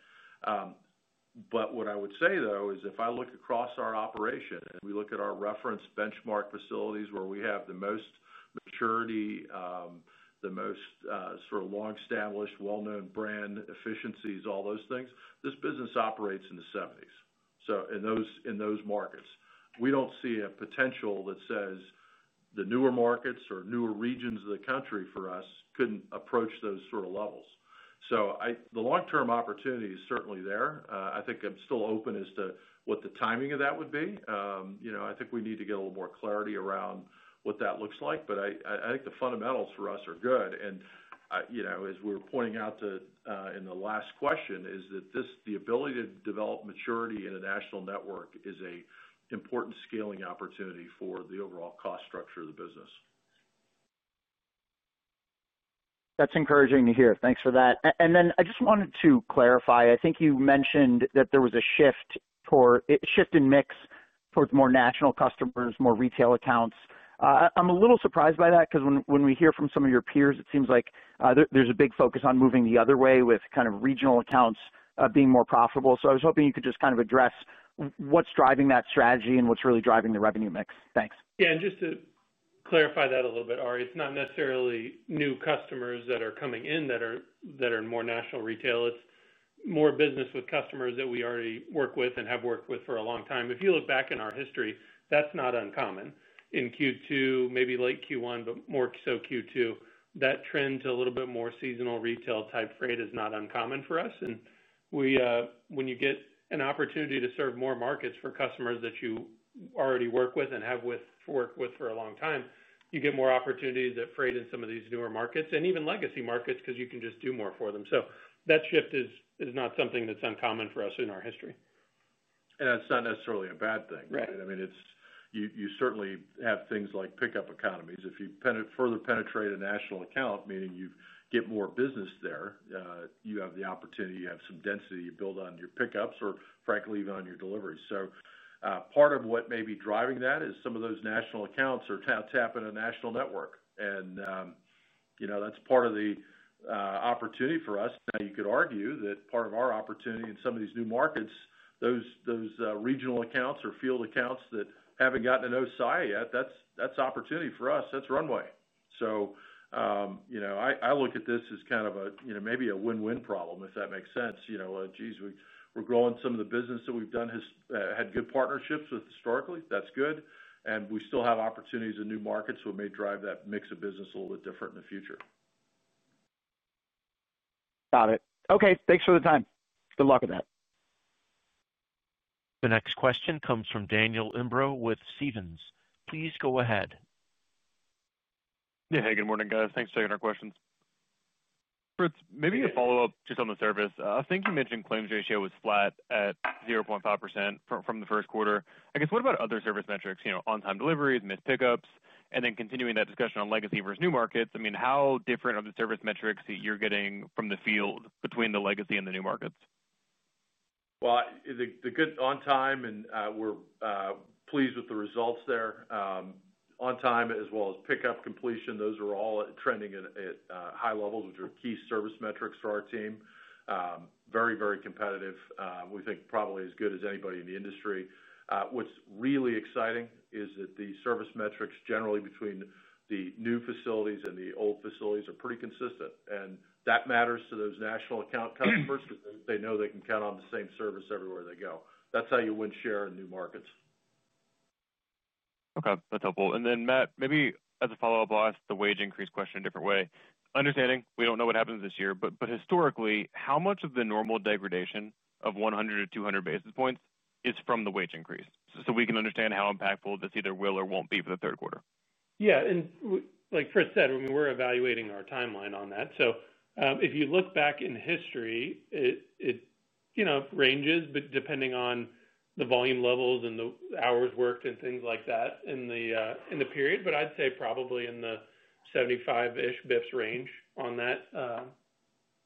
C: But what I would say though is if I look across our operation and we look at our reference benchmark facilities where we have the most maturity, the most sort of long established well known brand efficiencies, all those things, this business operates in the 70s, so in those markets. We don't see a potential that says the newer markets or newer regions of the country for us couldn't approach those sort of levels. So the long term opportunity is certainly there. I think I'm still open as to what the timing of that would be. I think we need to get a little more clarity around what that looks like. But I think the fundamentals for us are good. And as we're pointing out in the last question is that this the ability to develop maturity in a national network is an important scaling opportunity for the overall cost structure of the business.
N: That's encouraging to hear. Thanks for that. And then I just wanted to clarify, I think you mentioned that there was a shift in mix towards more national customers, more retail accounts. I'm a little surprised by that because when we hear from some of your peers, it seems like there's a big focus on moving the other way with kind of regional accounts being more profitable. So I was hoping you could just kind of address what's driving that strategy and what's really driving the revenue mix? Thanks.
B: Yeah. And just to clarify that a little bit Ari, it's not necessarily new customers that are coming in that are more national retailers, more business with customers that we already work with and have worked with for a long time. If you look back in our history, that's not uncommon. In Q2, maybe late Q1, but more so Q2, that trend to a little bit more seasonal retail type freight is not uncommon for us. And we when you get an opportunity to serve more markets for customers that you already work with and have with for a long time, you get more opportunities at freight in some of these newer markets and even legacy markets because you can just do more for them. So that shift is not something that's uncommon for us in our history.
C: And it's not necessarily a bad thing. Right. I mean, it's you certainly have things like pickup economies. If you further penetrate a national account, meaning you get more business there, you have the opportunity, you have some density, you build on your pickups or frankly even on your deliveries. So part of what may be driving that is some of those national accounts are tapping a national network and that's part of the opportunity for us. Now you could argue that part of our opportunity in some of these new markets, regional accounts or field accounts that haven't gotten to know SI yet, that's opportunity for us, that's runway. So, I look at this as kind of a maybe a win win problem, if that makes sense. Geez, we're growing some of the business that we've done had good partnerships with historically, that's good. And we still have opportunities in new markets that may drive that mix of business a little bit different in the future.
N: Got it. Okay. Thanks for the time. Good luck with that.
A: The next question comes from Daniel Imbro with Stephens. Please go ahead.
O: Hey, good morning guys. Thanks for taking our questions. Fritz, maybe a follow-up just on the service. I think you mentioned claims ratio was flat at 0.5% from the first quarter. I guess what about other service metrics, on time deliveries, missed pickups and then continuing that discussion on legacy versus new markets. I mean how different are the service metrics that you're getting from the field between the legacy and the new markets?
C: Well, the good on time and we're pleased with the results there. On time as well as pickup completion, those are all trending at high levels, which are key service metrics for our team. Very, very competitive. We think probably as good as anybody in the industry. What's really exciting is that the service metrics generally between the new facilities and the old facilities are pretty consistent. And that matters to those national account customers because they know they can count on the same service everywhere they go. That's how you win share in new markets.
O: Okay. That's helpful. And then Matt, maybe as a follow-up, I'll ask the wage increase question a different way. Understanding we don't know what happens this year, but historically how much of the normal degradation of 100 to 200 basis points is from the wage increase, so we can understand how impactful this either will or won't be for the third quarter?
B: Yes. And like Chris said, we're evaluating our timeline on that. So if you look back in history, it ranges, but depending on the volume levels and the hours worked and things like that in the period. But I'd say probably in the 75 ish bps range on that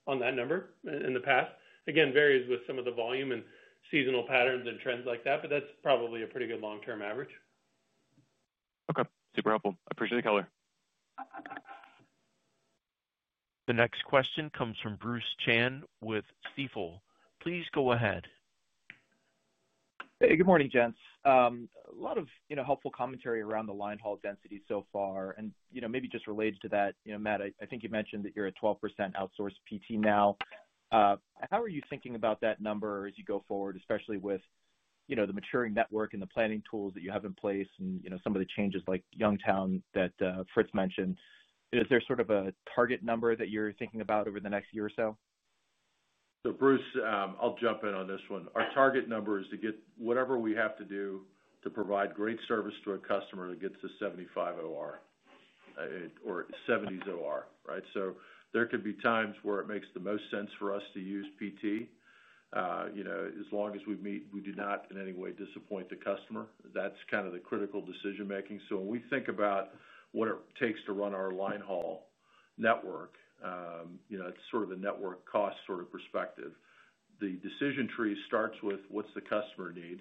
B: number in the past. Again, varies with some of the volume and seasonal patterns and trends like that, but that's probably a pretty good long term average.
O: Okay, super helpful. I appreciate the color.
A: The next question comes from Bruce Chan with Stifel. Please go ahead.
P: Hey, good morning, gents. A lot of helpful commentary around the line haul density so far. And maybe just related to that, Matt, I think you mentioned that you're at 12% outsourced PT now. How are you thinking about that number as you go forward, especially with the maturing network and the planning tools that you have in place and some of the changes like Youngtown that Fritz mentioned? Is there sort of a target number that you're thinking about over the next year or so?
C: So, Bruce, I'll jump in on this one. Our target number is to get whatever we have to do to provide great service to our customer that gets to 75 70s OR, right. So there could be times where it makes the most sense for us to use PT. As long as we meet, we do not in any way disappoint the customer. That's kind of the critical decision making. So when we think about what it takes to run our line haul network, it's sort of a network cost sort of perspective. The decision tree starts with what's the customer need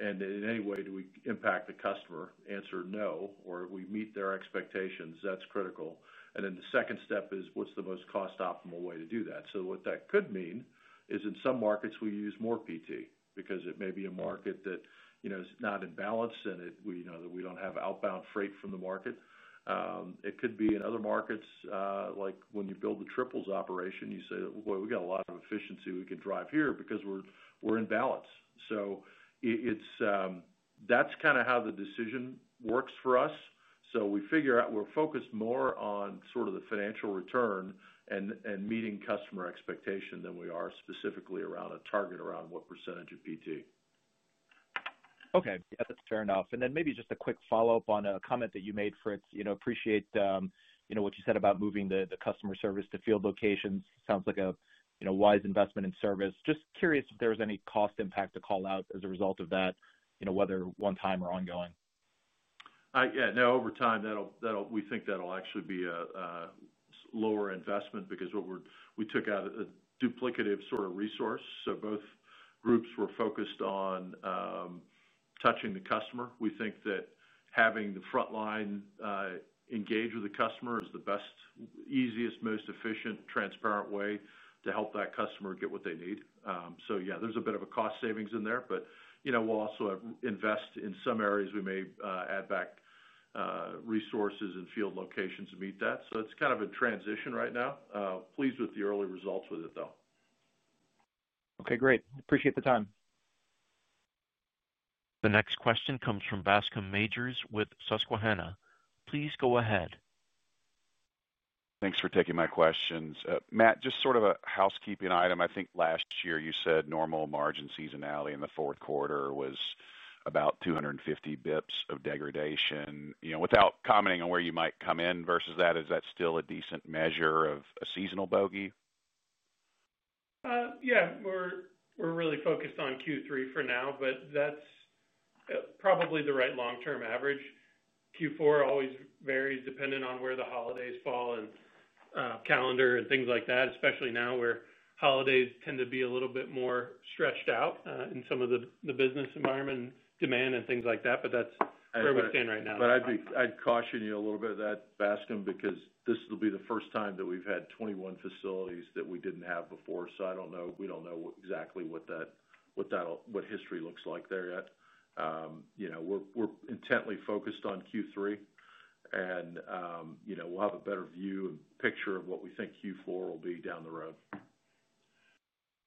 C: and in any way do we impact the customer, answer no, or we meet their expectations, that's critical. And then the second step is what's the most cost optimal way to do that. So what that could mean is in some markets we use more PT, because it may be a market that is not in balance and we don't have outbound freight from the market. It could be in other markets like when you build the triples operation, you say, well, we got a lot of efficiency we could drive here, because we're in balance. So it's that's kind of how the decision works for us. So we figure out we're focused more on sort of the financial return and meeting customer expectation than we are specifically around a target around what percentage of PT.
P: Okay. That's fair enough. And then maybe just a quick follow-up on a comment that you made for it. Appreciate what you said about moving the customer service to field locations. It sounds like a wise investment in service. Just curious if there's any cost impact to call out as a result of that whether one time or ongoing?
C: Yes. No, over time that will we think that will actually be a lower investment, because what we're we took out a duplicative sort of resource. So both groups were focused on touching the customer. We think that having the frontline engage with the customer is the best, easiest, most efficient, transparent way to help that customer get what they need. So yes, there's a bit of a cost savings in there. But we'll also invest in some areas we may add back resources and field locations to meet that. So it's kind of a transition right now. Pleased with the early results with it though.
P: Okay, great. Appreciate the time.
A: The next question comes from Bascome Majors with Susquehanna. Please go ahead.
Q: Thanks for taking my questions. Matt, just sort of a housekeeping item. I think last year you said normal margin seasonality in the fourth quarter was about two fifty bps of degradation. Without commenting on where you might come in versus that, is that still a decent measure of a seasonal bogey?
B: Yes. We're really focused on Q3 for now, but that's probably the right long term average. Q4 always varies depending on where the holidays fall and calendar and things like that, especially now where holidays tend to be a little bit more stretched out in some of the business environment demand and things like that, but that's where we're staying right now.
C: But I'd be I'd caution you a little bit of that, Bascome, because this will be the first time that we've had 21 facilities that we didn't have before. So I don't know, we don't know exactly what that what history looks like there yet. We're intently focused on Q3 and we'll have a better view picture of what we think Q4 will be down the road.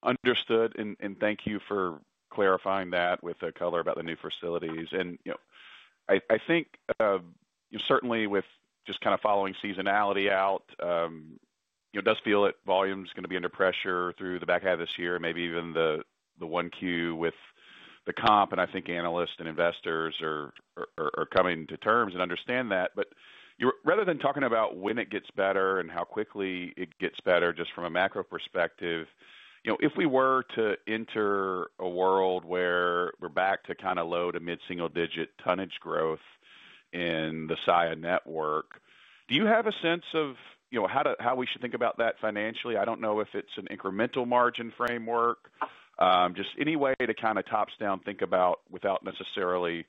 Q: Understood. And thank you for clarifying that with the color about the new facilities. And I think certainly with just kind of following seasonality out, it does feel that volume is going to be under pressure through the back half of this year, maybe even the 1Q with the comp and I think analysts and investors are coming to terms and understand that. But rather than talking about when it gets better and how quickly it gets better just from a macro perspective, if we were to enter a world where we're back to kind of low to mid single digit tonnage growth in the Saia network, do you have a sense of how we should think about that financially? I don't know if it's an incremental margin framework. Just any way to kind of tops down think about without necessarily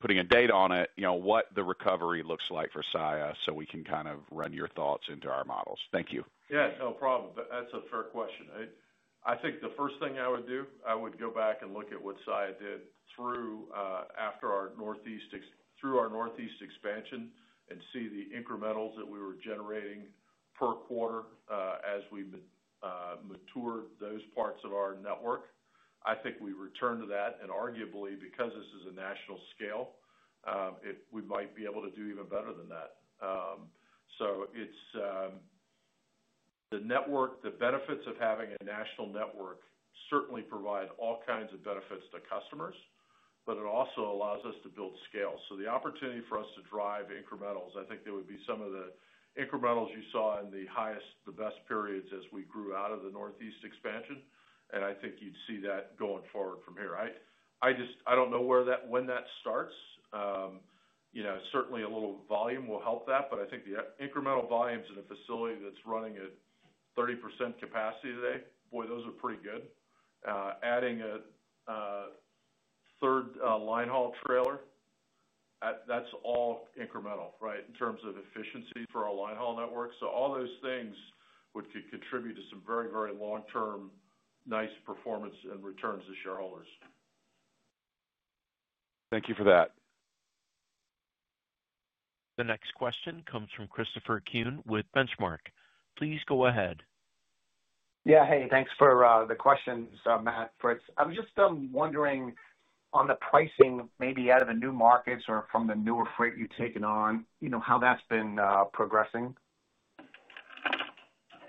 Q: putting a date on it, what the recovery looks like for Saia, so we can kind of run your thoughts into our models? Thank you.
C: Yes, no problem. That's a fair question. I think the first thing I would do, I would go back and look at what Saia did through our Northeast expansion and see the incrementals that we were generating per quarter as we mature those parts of our network. I think we returned to that and arguably because this is a national scale, we might be able to do even better than that. So it's the network, the benefits of having a national network certainly provide all kinds of benefits to customers, but it also allows us to build scale. So the opportunity for us to drive incrementals, I think there would be some of the incrementals you saw in the highest, the best periods as we grew out of the Northeast expansion. And I think you'd see that going forward from here. Just I don't know where that when that starts. Certainly, a little volume will help that, but I think the incremental volumes in the facility that's running at 30% capacity today, boy, those are pretty good. Adding a third line haul trailer, that's all incremental, right, in terms of efficiency for our line haul network. So all those things could contribute to some very, very long term nice performance and returns to shareholders.
Q: Thank you for that.
A: The next question comes from Christopher Kuhn with Benchmark. Please go ahead.
R: Yes. Hey, thanks for the questions. So Matt, Fritz, I'm just wondering on the pricing maybe out of the new markets or from the newer freight you've taken on, how that's been progressing?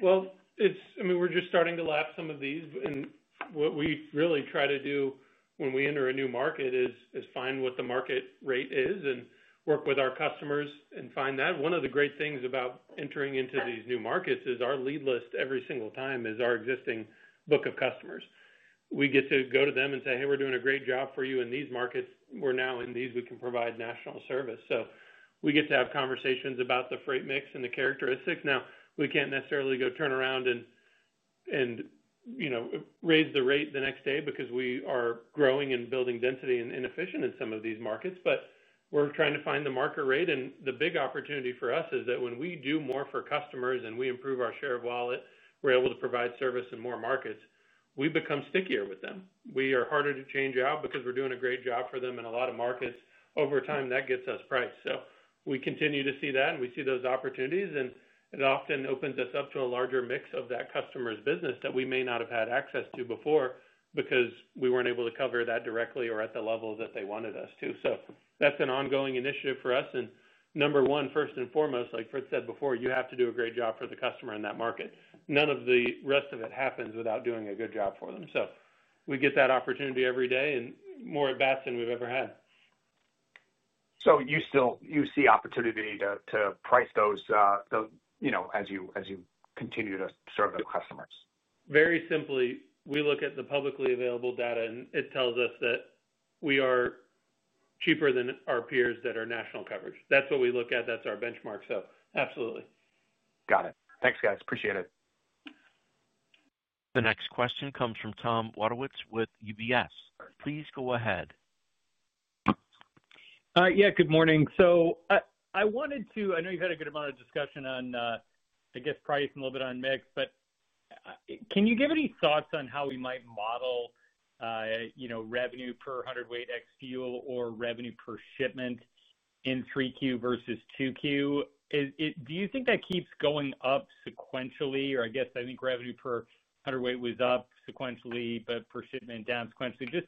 B: Well, it's I mean, we're just starting to lap some of these. And what we really try to do when we enter a new market is find what the market rate is and work with our customers and find that. One of the great things about entering into these new markets is our lead list every single time is our existing book of customers. We get to go to them and say, hey, we're doing a great job for you in these markets. We're now in these, we can provide national service. So we get to have conversations about the freight mix and the characteristics. Now we can't necessarily go turn around and raise the rate the next day because we are growing and building density and inefficient in some of these markets. But we're trying to find the market rate and the big opportunity for us is that when we do more for customers and we improve our share of wallet, we're able to provide service in more markets, we become stickier with them. We are harder to change out because we're doing a great job for them in a lot of markets over time that gets us priced. So we continue to see that and we see those opportunities and it often opens us up to a larger mix of that customer's business that we may not have had access to before because we weren't able to cover that directly or at the level that they wanted us to. So that's an ongoing initiative for us. And number one, first and foremost, like Fred said before, you have to do a great job for the customer in that market. None of the rest of it happens without doing a good job for them. So we get that opportunity every day and more at best than we've ever had.
R: So you still you see opportunity to price those as you continue to serve the customers?
B: Very simply, we look at the publicly available data and it tells us that we are cheaper than our peers that are national coverage. That's what we look at. That's our benchmark. So absolutely.
R: Got it. Thanks guys. Appreciate it.
A: The next question comes from Tom Wadewitz with UBS. Please go ahead.
S: Yes, good morning. So I wanted to I know you had a good amount of discussion on, I guess, price and a bit on mix. But can you give any thoughts on how we might model revenue per 100 weight ex fuel or revenue per shipment in 3Q versus 2Q? Do you think that keeps going up sequentially or I guess I think revenue per hundredweight was up sequentially, but per shipment down sequentially. Just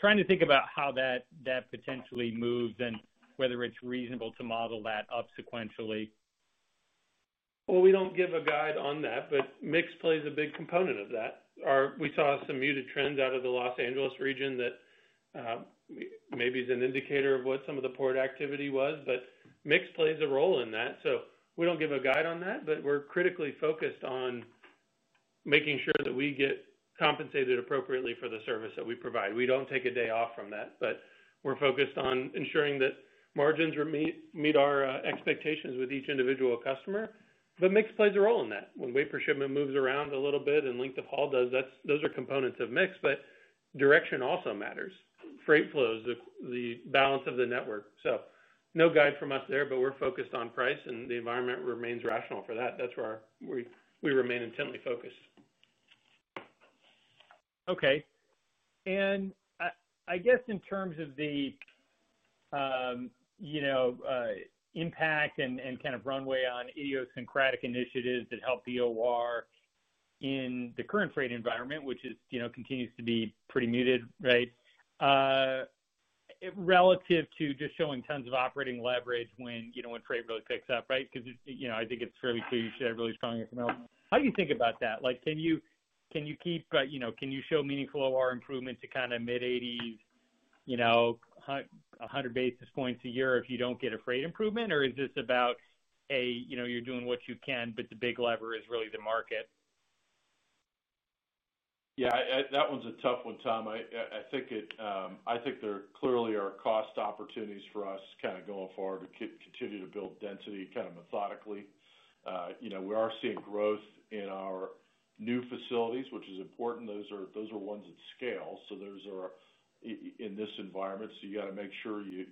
S: trying to think about how that potentially moves and whether it's reasonable to model that up sequentially?
B: Well, we don't give a guide on that, but mix plays a big component of that. We saw some muted trends out of the Los Angeles region that maybe is an indicator of what some of the port activity was, but mix plays a role in that. So we don't give a guide on that, but we're critically focused on making sure that we get compensated appropriately for the service that we provide. We don't take a day off from that, but we're focused on ensuring that margins meet our expectations with each individual customer. But mix plays a role in that. When weight per shipment moves around a little bit and length of haul does that, those are components of mix, but direction also matters. Freight flows, balance of the network. So no guide from us there, but we're focused on price and the environment remains rational for that. That's where we remain intently focused. Okay.
S: And I guess in terms of the impact and kind of runway on idiosyncratic initiatives that help the OR in the current freight environment, which is continues to be pretty muted, right? Relative to just showing tons of operating leverage when freight really picks up, right? Because I think it's fairly clear you should have really strong ethanol. How do you think about that? Like can you keep can you show meaningful OR improvement to kind of mid-80s, 100 basis points a year if you don't get a freight improvement? Or is this about, a, you're doing what you can, but the big lever is really the market?
C: Yes, that one's a tough one, Tom. I there clearly are cost opportunities for us kind of going forward to continue to build density kind of methodically. We are seeing growth in our new facilities, which is important. Those are ones at scale. So those are in this environment, so you got to make sure you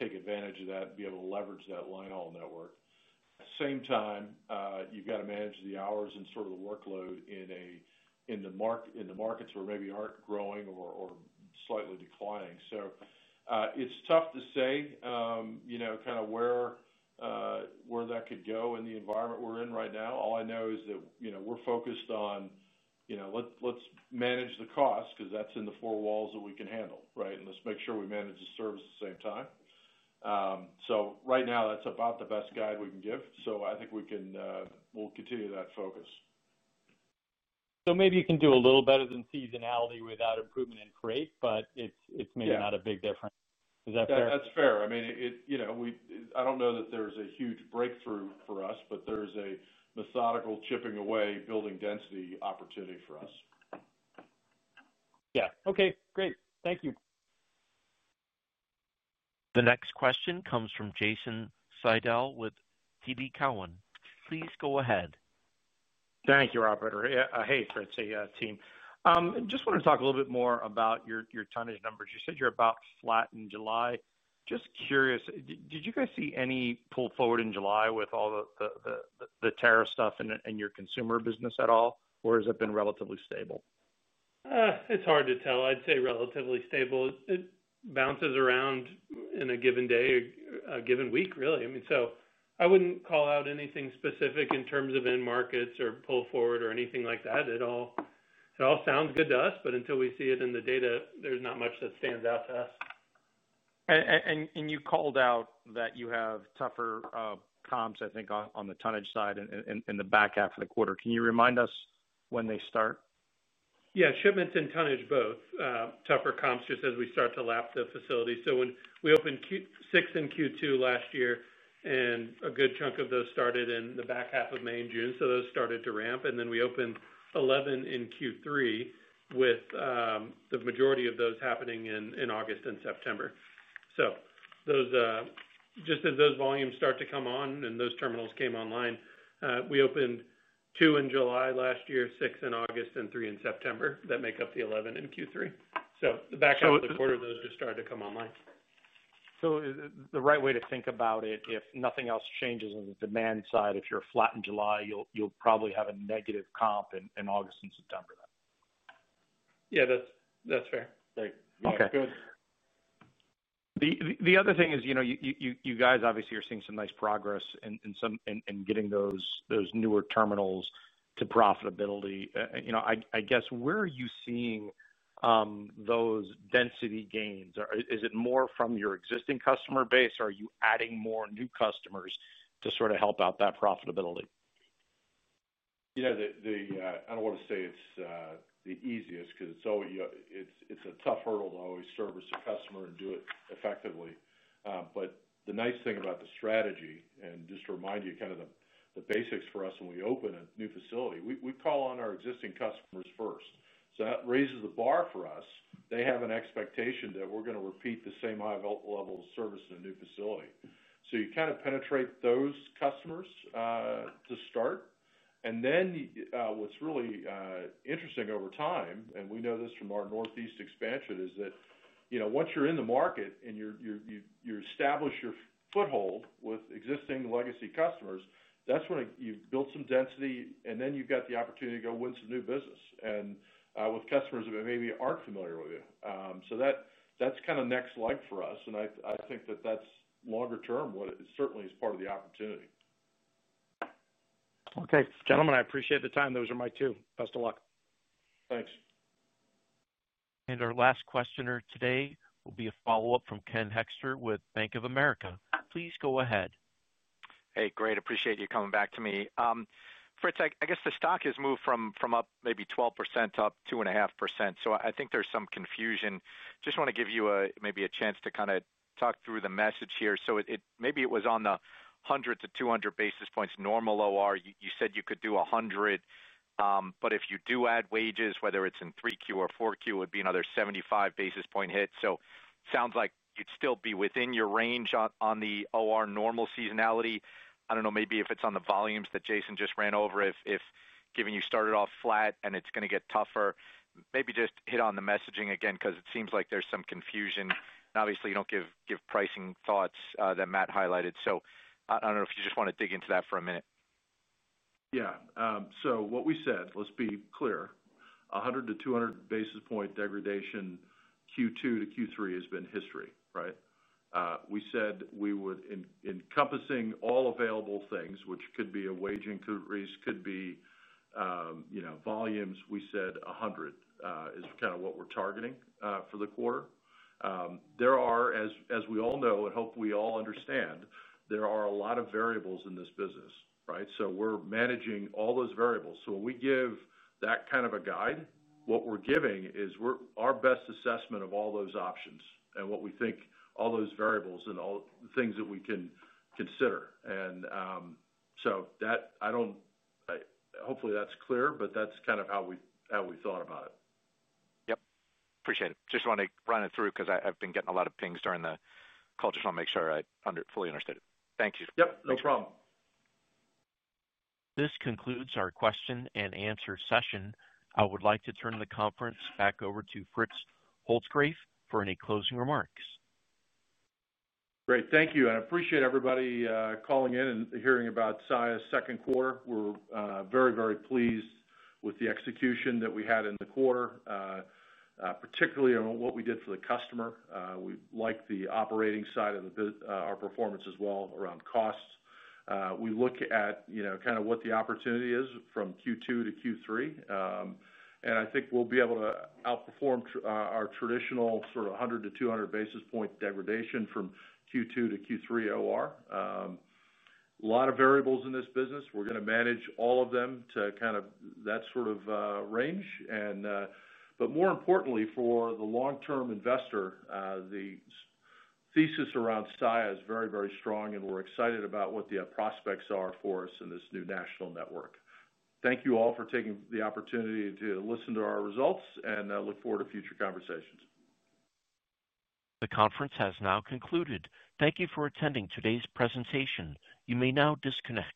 C: take advantage of that, be able to leverage that line haul network. Same time, you've got to manage the hours and sort of the workload in the markets where maybe aren't growing or slightly declining. So it's tough to say kind of where that could go in the environment we're in right now. All I know is that we're focused on let's manage the cost because that's in the four walls that we can handle, right? And let's make sure we manage the service at the same time. So right now that's about the best guide we can give. So I think we can we'll continue that focus.
S: So maybe you can do a little better than seasonality without improvement in freight, but it's maybe not a big difference. Is that fair?
C: That's fair. I mean, I don't know that there's a huge breakthrough for us, but there's a methodical chipping away building density opportunity for us.
S: Yes. Okay, great. Thank you.
A: The next question comes from Jason Seidl with TD Cowen. Please go ahead.
T: Thank you, operator. Hey, Fritz, team. Just wanted to talk a little bit more about your tonnage numbers. You said you're about flat in July. Just curious, did you guys see any pull forward in July with all the tariff stuff in your consumer business at all? Or has it been relatively stable?
B: It's hard to tell. I'd say relatively stable. It bounces around in a given day, given week really. I mean, so I wouldn't call out anything specific in terms of end markets or pull forward or anything like that at all. It all sounds good to us, but until we see it in the data, there's not much that stands out to us.
T: And you called out that you have tougher comps, I think on the tonnage side in the back half of the quarter. Can you remind us when they start?
B: Yes, shipments and tonnage both tougher comps just as we start to lap the facility. So when we opened six in Q2 last year and a good chunk of those started in the back half of May and June. So those started to ramp and then we opened 11 in Q3 with the majority of those happening in August and September. So those just as those volumes start to come on and those terminals came online, we opened two in July, six in August and three in September that make up the 11 in Q3. The back half of the quarter, those just started to come online.
T: So the right way to think about it, if nothing else changes in the demand side, if you're flat in July, probably have a negative comp in August and September then?
B: Yes, that's fair. Okay.
T: The other thing is you guys obviously are seeing some nice progress in some in getting those newer terminals to profitability. I guess where are you seeing those density gains? Is it more from your existing customer base? Are you adding more new customers to sort of help out that profitability?
C: I don't want to say it's the easiest because it's a tough hurdle to always service the customer and do it effectively. But the nice thing about the strategy and just to remind you kind of the basics for us when we open a new facility, we call on our existing customers first. So that raises the bar for us. They have an expectation that we're going to repeat the same level of service in a new facility. So you kind of penetrate those customers to start. And then what's really interesting over time, and we know this from our Northeast expansion is that once you're in the market and you establish your foothold with existing legacy customers, that's when you've built some density and then you've got the opportunity to go win some new business and with customers that maybe aren't familiar with you. So that's kind of next leg for us and I think that that's longer term what certainly is part of the opportunity.
A: And our last questioner today will be a follow-up from Ken Hoexter with Bank of America. Please go ahead.
D: Hey, great. Appreciate you coming back to me. Fritz, I guess the stock has moved from up maybe 12% to up 2.5%. So I think there's some confusion. Just want to give you maybe a chance to kind of talk through the message here. So maybe it was on the 100 to 200 basis points normal OR. You said you could do 100, but if you do add wages, whether it's in 3Q or 4Q, it would be another 75 basis point hit. So it sounds like you'd still be within your range on the OR normal seasonality. I don't know maybe if it's on the volumes that Jason just ran over, if given you started off flat and it's going to get tougher, maybe just hit on the messaging again because it seems like there's some confusion. Obviously, you don't give pricing thoughts that Matt highlighted. So I don't know if you just want to dig into that for a minute.
C: Yes. So what we said, let's be clear, 100 to 200 basis point degradation Q2 to Q3 has been history, right? We said we would encompassing all available things, which could be a wage increase, could be volumes, we said 100 is kind of what we're targeting for the quarter. There are as we all know, I hope we all understand, there are a lot of variables in this business, right? So we're managing all those variables. So we give that kind of a guide. What we're giving is our best assessment of all those options and what we think all those variables and all the things that we can consider. So that I don't hopefully that's clear, but that's kind of how we thought about it.
D: Appreciate it. Just want to run it through because I've been getting a lot of things during the call. Just want make sure I fully understood it. Thank you.
B: Yes. No problem.
A: Concludes our question and answer session. I would like to turn the conference back over to Fritz Holzgraf for any closing remarks.
C: Great. Thank you. I appreciate everybody calling in and hearing about Saia's second quarter. We're very, very pleased with the execution that we had in the quarter, particularly on what we did for the customer. We like the operating side of our performance as well around costs. We look at kind of what the opportunity is from Q2 to Q3. And I think we'll be able to outperform our traditional sort of 100 to 200 basis point degradation from Q2 to Q3 OR. A lot of variables in this business, we're going to manage all of them to kind of that sort of range. And but more importantly for the long term investor, the thesis around SAIA is very, very strong and we're excited about what the prospects are for us in this new national network. Thank you all for taking the opportunity to listen to our results and look forward to future conversations.
A: The conference has now concluded. Thank you for attending today's presentation. You may now disconnect.